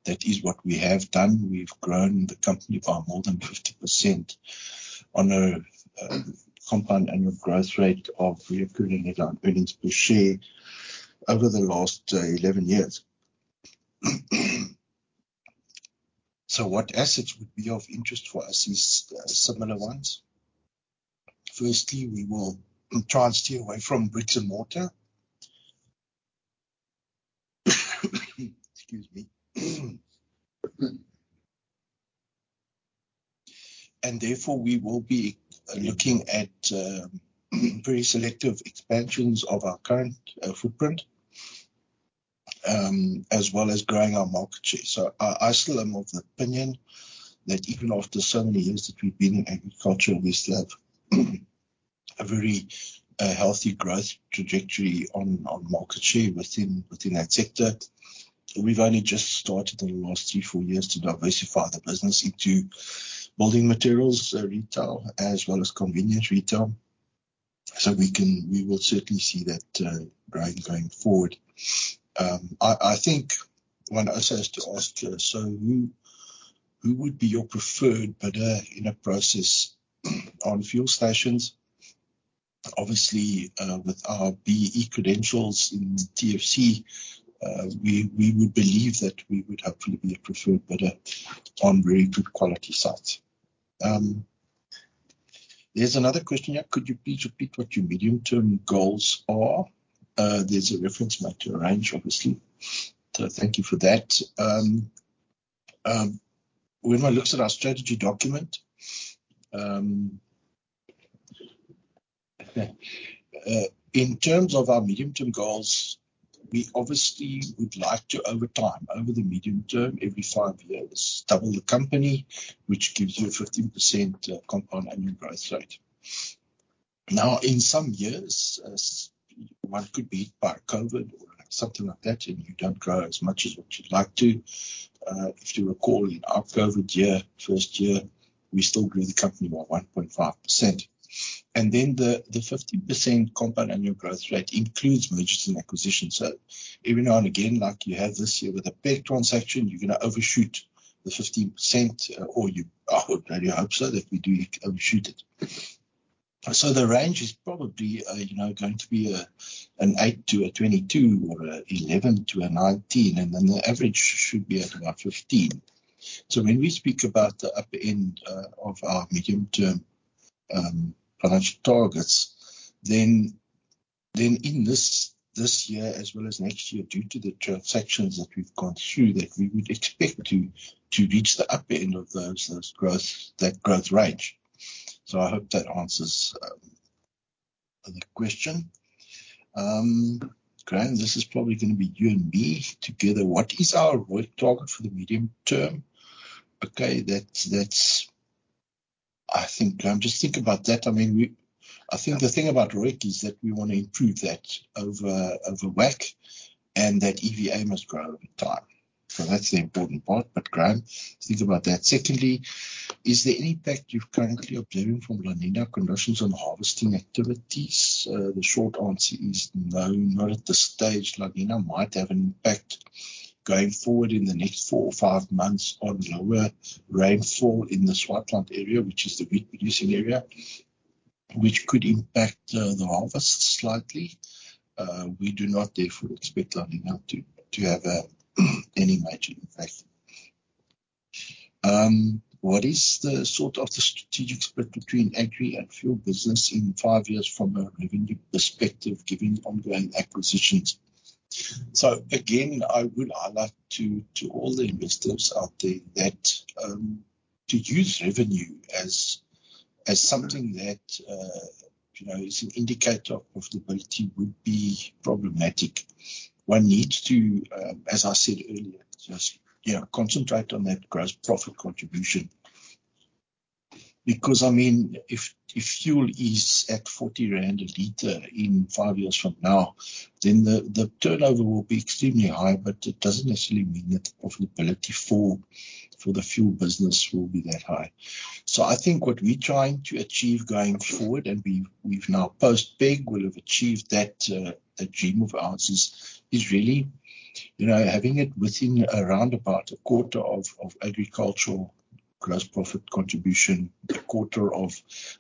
that is what we have done. We've grown the company by more than 50% on a compound annual growth rate of recurring earnings per share over the last 11 years. What assets would be of interest for us is similar ones. Firstly, we will try and steer away from bricks and mortar. Excuse me. Therefore, we will be looking at very selective expansions of our current footprint as well as growing our market share. I still am of the opinion that even after so many years that we've been in agriculture, we still have a very healthy growth trajectory on market share within that sector. We've only just started in the last three to four years to diversify the business into building materials, retail, as well as convenience retail. We will certainly see that growing going forward. I think one also has to ask, who would be your preferred bidder in a process on fuel stations? Obviously, with our BEE credentials in TFC, we would believe that we would hopefully be a preferred bidder on very good quality sites. There's another question here. Could you please repeat what your medium-term goals are? There's a reference back to a range, obviously. Thank you for that. When one looks at our strategy document, in terms of our medium-term goals, we obviously would like to, over time, over the medium term, every five years, double the company, which gives you a 15% compound annual growth rate. In some years, one could be hit by COVID or something like that, and you don't grow as much as what you'd like to. If you recall, in our COVID year, first year, we still grew the company by 1.5%. The 15% compound annual growth rate includes mergers and acquisitions. Every now and again, like you have this year with the PEG transaction, you're gonna overshoot the 15%, or you well, really hope so, that we do overshoot it. The range is probably going to be an 8%-22% or 11%-19%, and then the average should be at about 15%. When we speak about the upper end of our medium-term financial targets, then in this year as well as next year, due to the transactions that we've gone through, we would expect to reach the upper end of that growth range. I hope that answers the question. Graeme, this is probably gonna be you and me together. What is our ROIC target for the medium term? That's. I think, just think about that. I mean, I think the thing about ROIC is that we wanna improve that over WACC, and that EVA must grow over time. That's the important part. Graeme, think about that. Secondly, is there any impact you're currently observing from La Niña conditions on harvesting activities? The short answer is no, not at this stage. La Niña might have an impact going forward in the next four or five months on lower rainfall in the Swartland area, which is the wheat producing area, which could impact the harvest slightly. We do not therefore expect La Niña to have any major impact. What is the sort of strategic split between agri and fuel business in five years from a revenue perspective, given ongoing acquisitions? Again, I would highlight to all the investors out there that to use revenue as something that you know is an indicator of profitability would be problematic. One needs to, as I said earlier, just, yeah, concentrate on that gross profit contribution. Because, I mean, if fuel is at 40 rand a liter in five years from now, then the turnover will be extremely high, but it doesn't necessarily mean that the profitability for the fuel business will be that high. I think what we're trying to achieve going forward, and we've now post PEG will have achieved that dream of ours is really, you know, having it within around about 1/4 of agricultural gross profit contribution, 1/4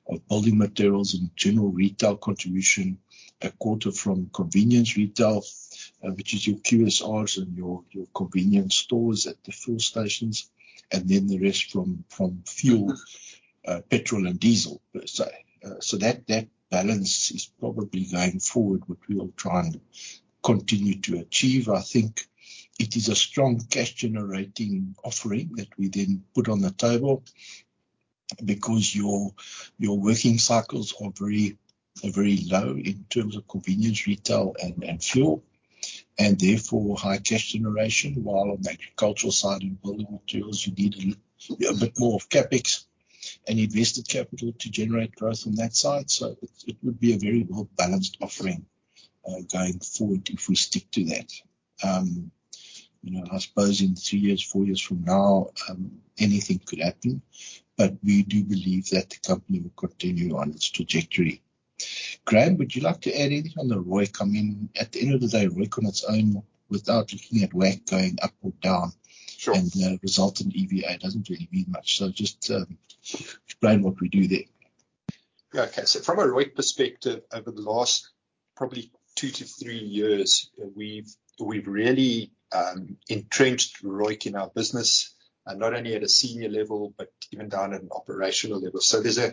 of building materials and general retail contribution, 1/4 from convenience retail, which is your QSRs and your convenience stores at the fuel stations, and then the rest from fuel, petrol and diesel per se. That balance is probably going forward, what we will try and continue to achieve. I think it is a strong cash generating offering that we then put on the table because your working cycles are very low in terms of convenience retail and fuel, and therefore high cash generation. While on the agricultural side and building materials, you need a little bit more of CapEx and invested capital to generate growth on that side. It would be a very well-balanced offering, going forward if we stick to that. You know, I suppose in three years, four years from now, anything could happen, but we do believe that the company will continue on its trajectory. Graeme, would you like to add anything on the ROIC? I mean, at the end of the day, ROIC on its own without looking at WACC going up or down. Sure. The result in EVA doesn't really mean much. Just explain what we do there. Yeah. Okay. From a ROIC perspective, over the last probably two to three years, we've really entrenched ROIC in our business, not only at a senior level, but even down at an operational level. There's a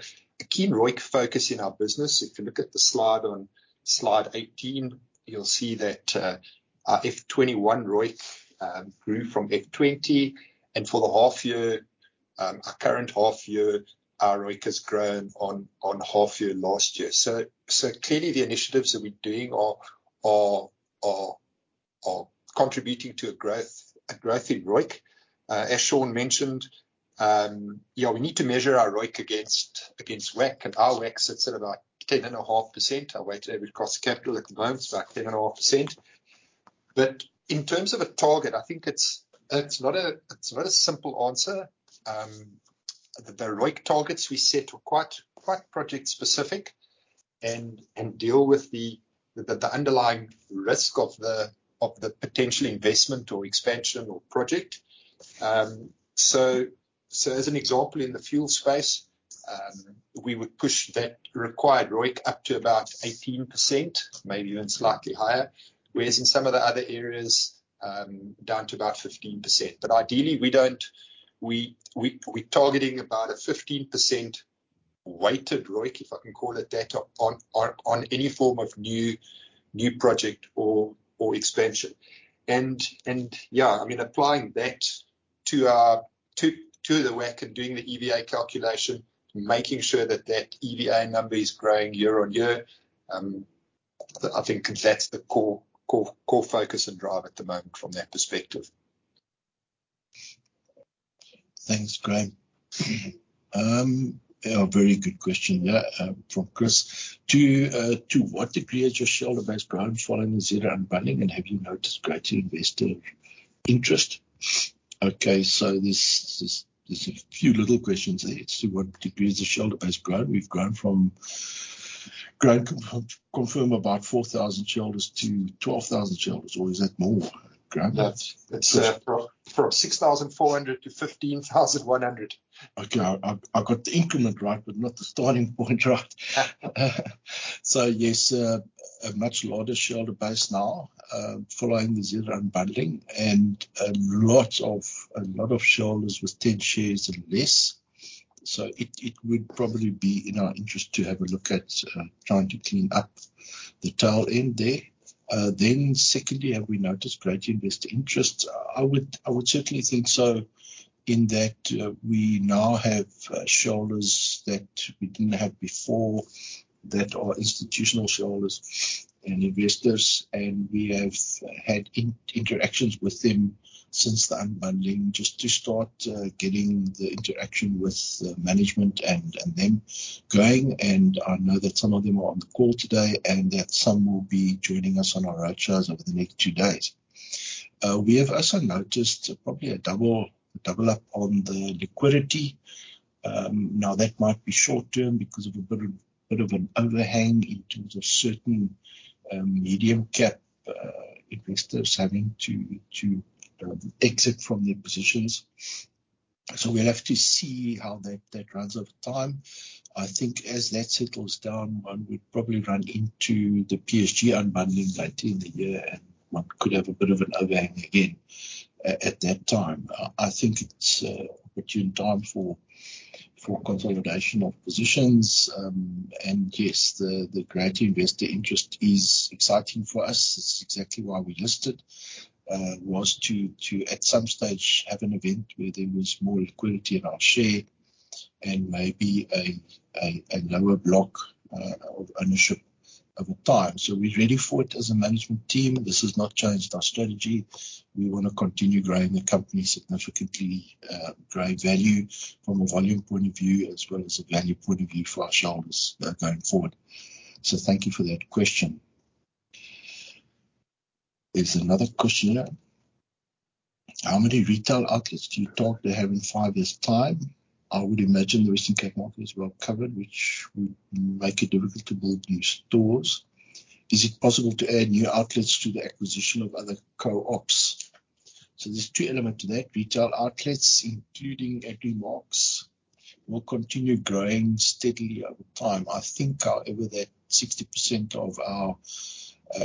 key ROIC focus in our business. If you look at the slide on slide 18, you'll see that our FY 2021 ROIC grew from FY 2020. For the half year, our current half year, our ROIC has grown on half year last year. Clearly the initiatives that we're doing are contributing to a growth in ROIC. As Sean mentioned, you know, we need to measure our ROIC against WACC, and our WACC sits at about 10.5%. Our weighted average cost of capital at the moment is about 10.5%. In terms of a target, I think it's not a simple answer. The ROIC targets we set are quite project specific and deal with the underlying risk of the potential investment or expansion or project. As an example, in the fuel space, we would push that required ROIC up to about 18%, maybe even slightly higher. Whereas in some of the other areas, down to about 15%. Ideally we're targeting about a 15% weighted ROIC, if I can call it that, on any form of new project or expansion. Yeah, I mean, applying that to the work and doing the EVA calculation, making sure that EVA number is growing year on year. I think that's the core focus and drive at the moment from that perspective. Thanks, Graeme. A very good question there from Chris. To what degree has your shareholder base grown following the Zeder unbundling, and have you noticed greater investor interest? Okay, there's a few little questions there. To what degree has the shareholder base grown? We've grown from. Graeme can confirm about 4,000 shareholders to 12,000 shareholders, or is that more, Graeme? That's from 6,400 shareholders-15,100 shareholders. Okay. I got the increment right, but not the starting point right. Yes, a much larger shareholder base now, following the Zeder unbundling and a lot of shareholders with 10 shares and less. It would probably be in our interest to have a look at trying to clean up the tail end there. Secondly, have we noticed greater investor interest? I would certainly think so, in that we now have shareholders that we didn't have before that are institutional shareholders and investors, and we have had interactions with them since the unbundling just to start getting the interaction with the management and them going. I know that some of them are on the call today and that some will be joining us on our roadshows over the next two days. We have also noticed probably a double-up on the liquidity. Now that might be short-term because of a bit of an overhang in terms of certain mid-cap investors having to exit from their positions. We'll have to see how that runs over time. I think as that settles down, one would probably run into the PSG unbundling later in the year, and one could have a bit of an overhang again at that time. I think it's an opportune time for consolidation of positions. Yes, the greater investor interest is exciting for us. It's exactly why we listed to at some stage have an event where there was more liquidity in our share and maybe a lower block of ownership over time. We're ready for it as a management team. This has not changed our strategy. We wanna continue growing the company significantly, grow value from a volume point of view, as well as a value point of view for our shareholders, going forward. Thank you for that question. There's another question here. How many retail outlets do you target to have in five years' time? I would imagine the Western Cape market is well covered, which would make it difficult to build new stores. Is it possible to add new outlets through the acquisition of other co-ops? There's two elements to that. Retail outlets, including Agrimark, will continue growing steadily over time. I think, however, that 60% of our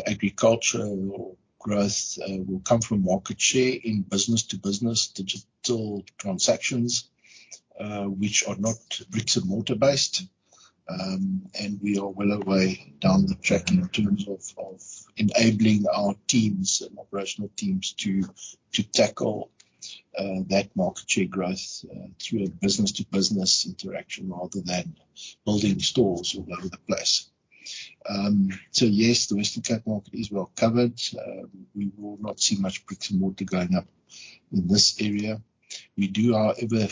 agriculture or growth will come from market share in business-to-business digital transactions, which are not bricks-and-mortar based. We are well away down the track in terms of enabling our teams and operational teams to tackle that market share growth through a business-to-business interaction rather than building stores all over the place. Yes, the Western Cape market is well covered. We will not see much bricks and mortar going up in this area. We do, however,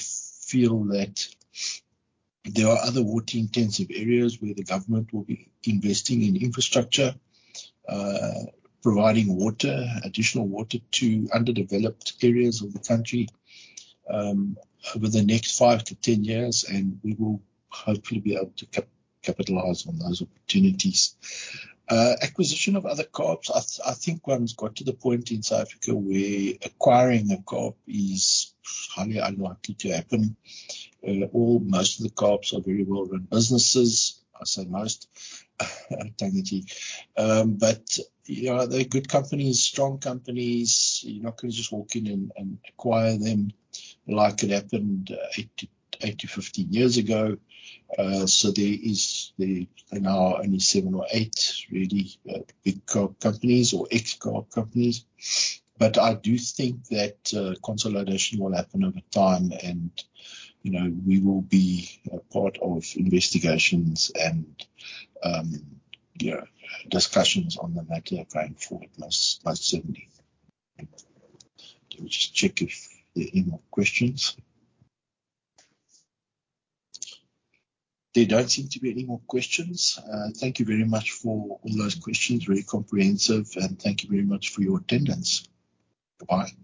feel that there are other water-intensive areas where the government will be investing in infrastructure, providing water, additional water to underdeveloped areas of the country, over the next five to 10 years, and we will hopefully be able to capitalize on those opportunities. Acquisition of other co-ops. I think one's got to the point in South Africa where acquiring a co-op is highly unlikely to happen. Almost all of the co-ops are very well-run businesses. I say most, technically. But yeah, they're good companies, strong companies. You're not gonna just walk in and acquire them like it happened eight to 15 years ago. So there are now only seven or eight really big co-op companies or ex-co-op companies. But I do think that consolidation will happen over time and, you know, we will be a part of investigations and yeah, discussions on the matter going forward most certainly. Let me just check if there are any more questions. There don't seem to be any more questions. Thank you very much for all those questions. Very comprehensive. Thank you very much for your attendance. Goodbye.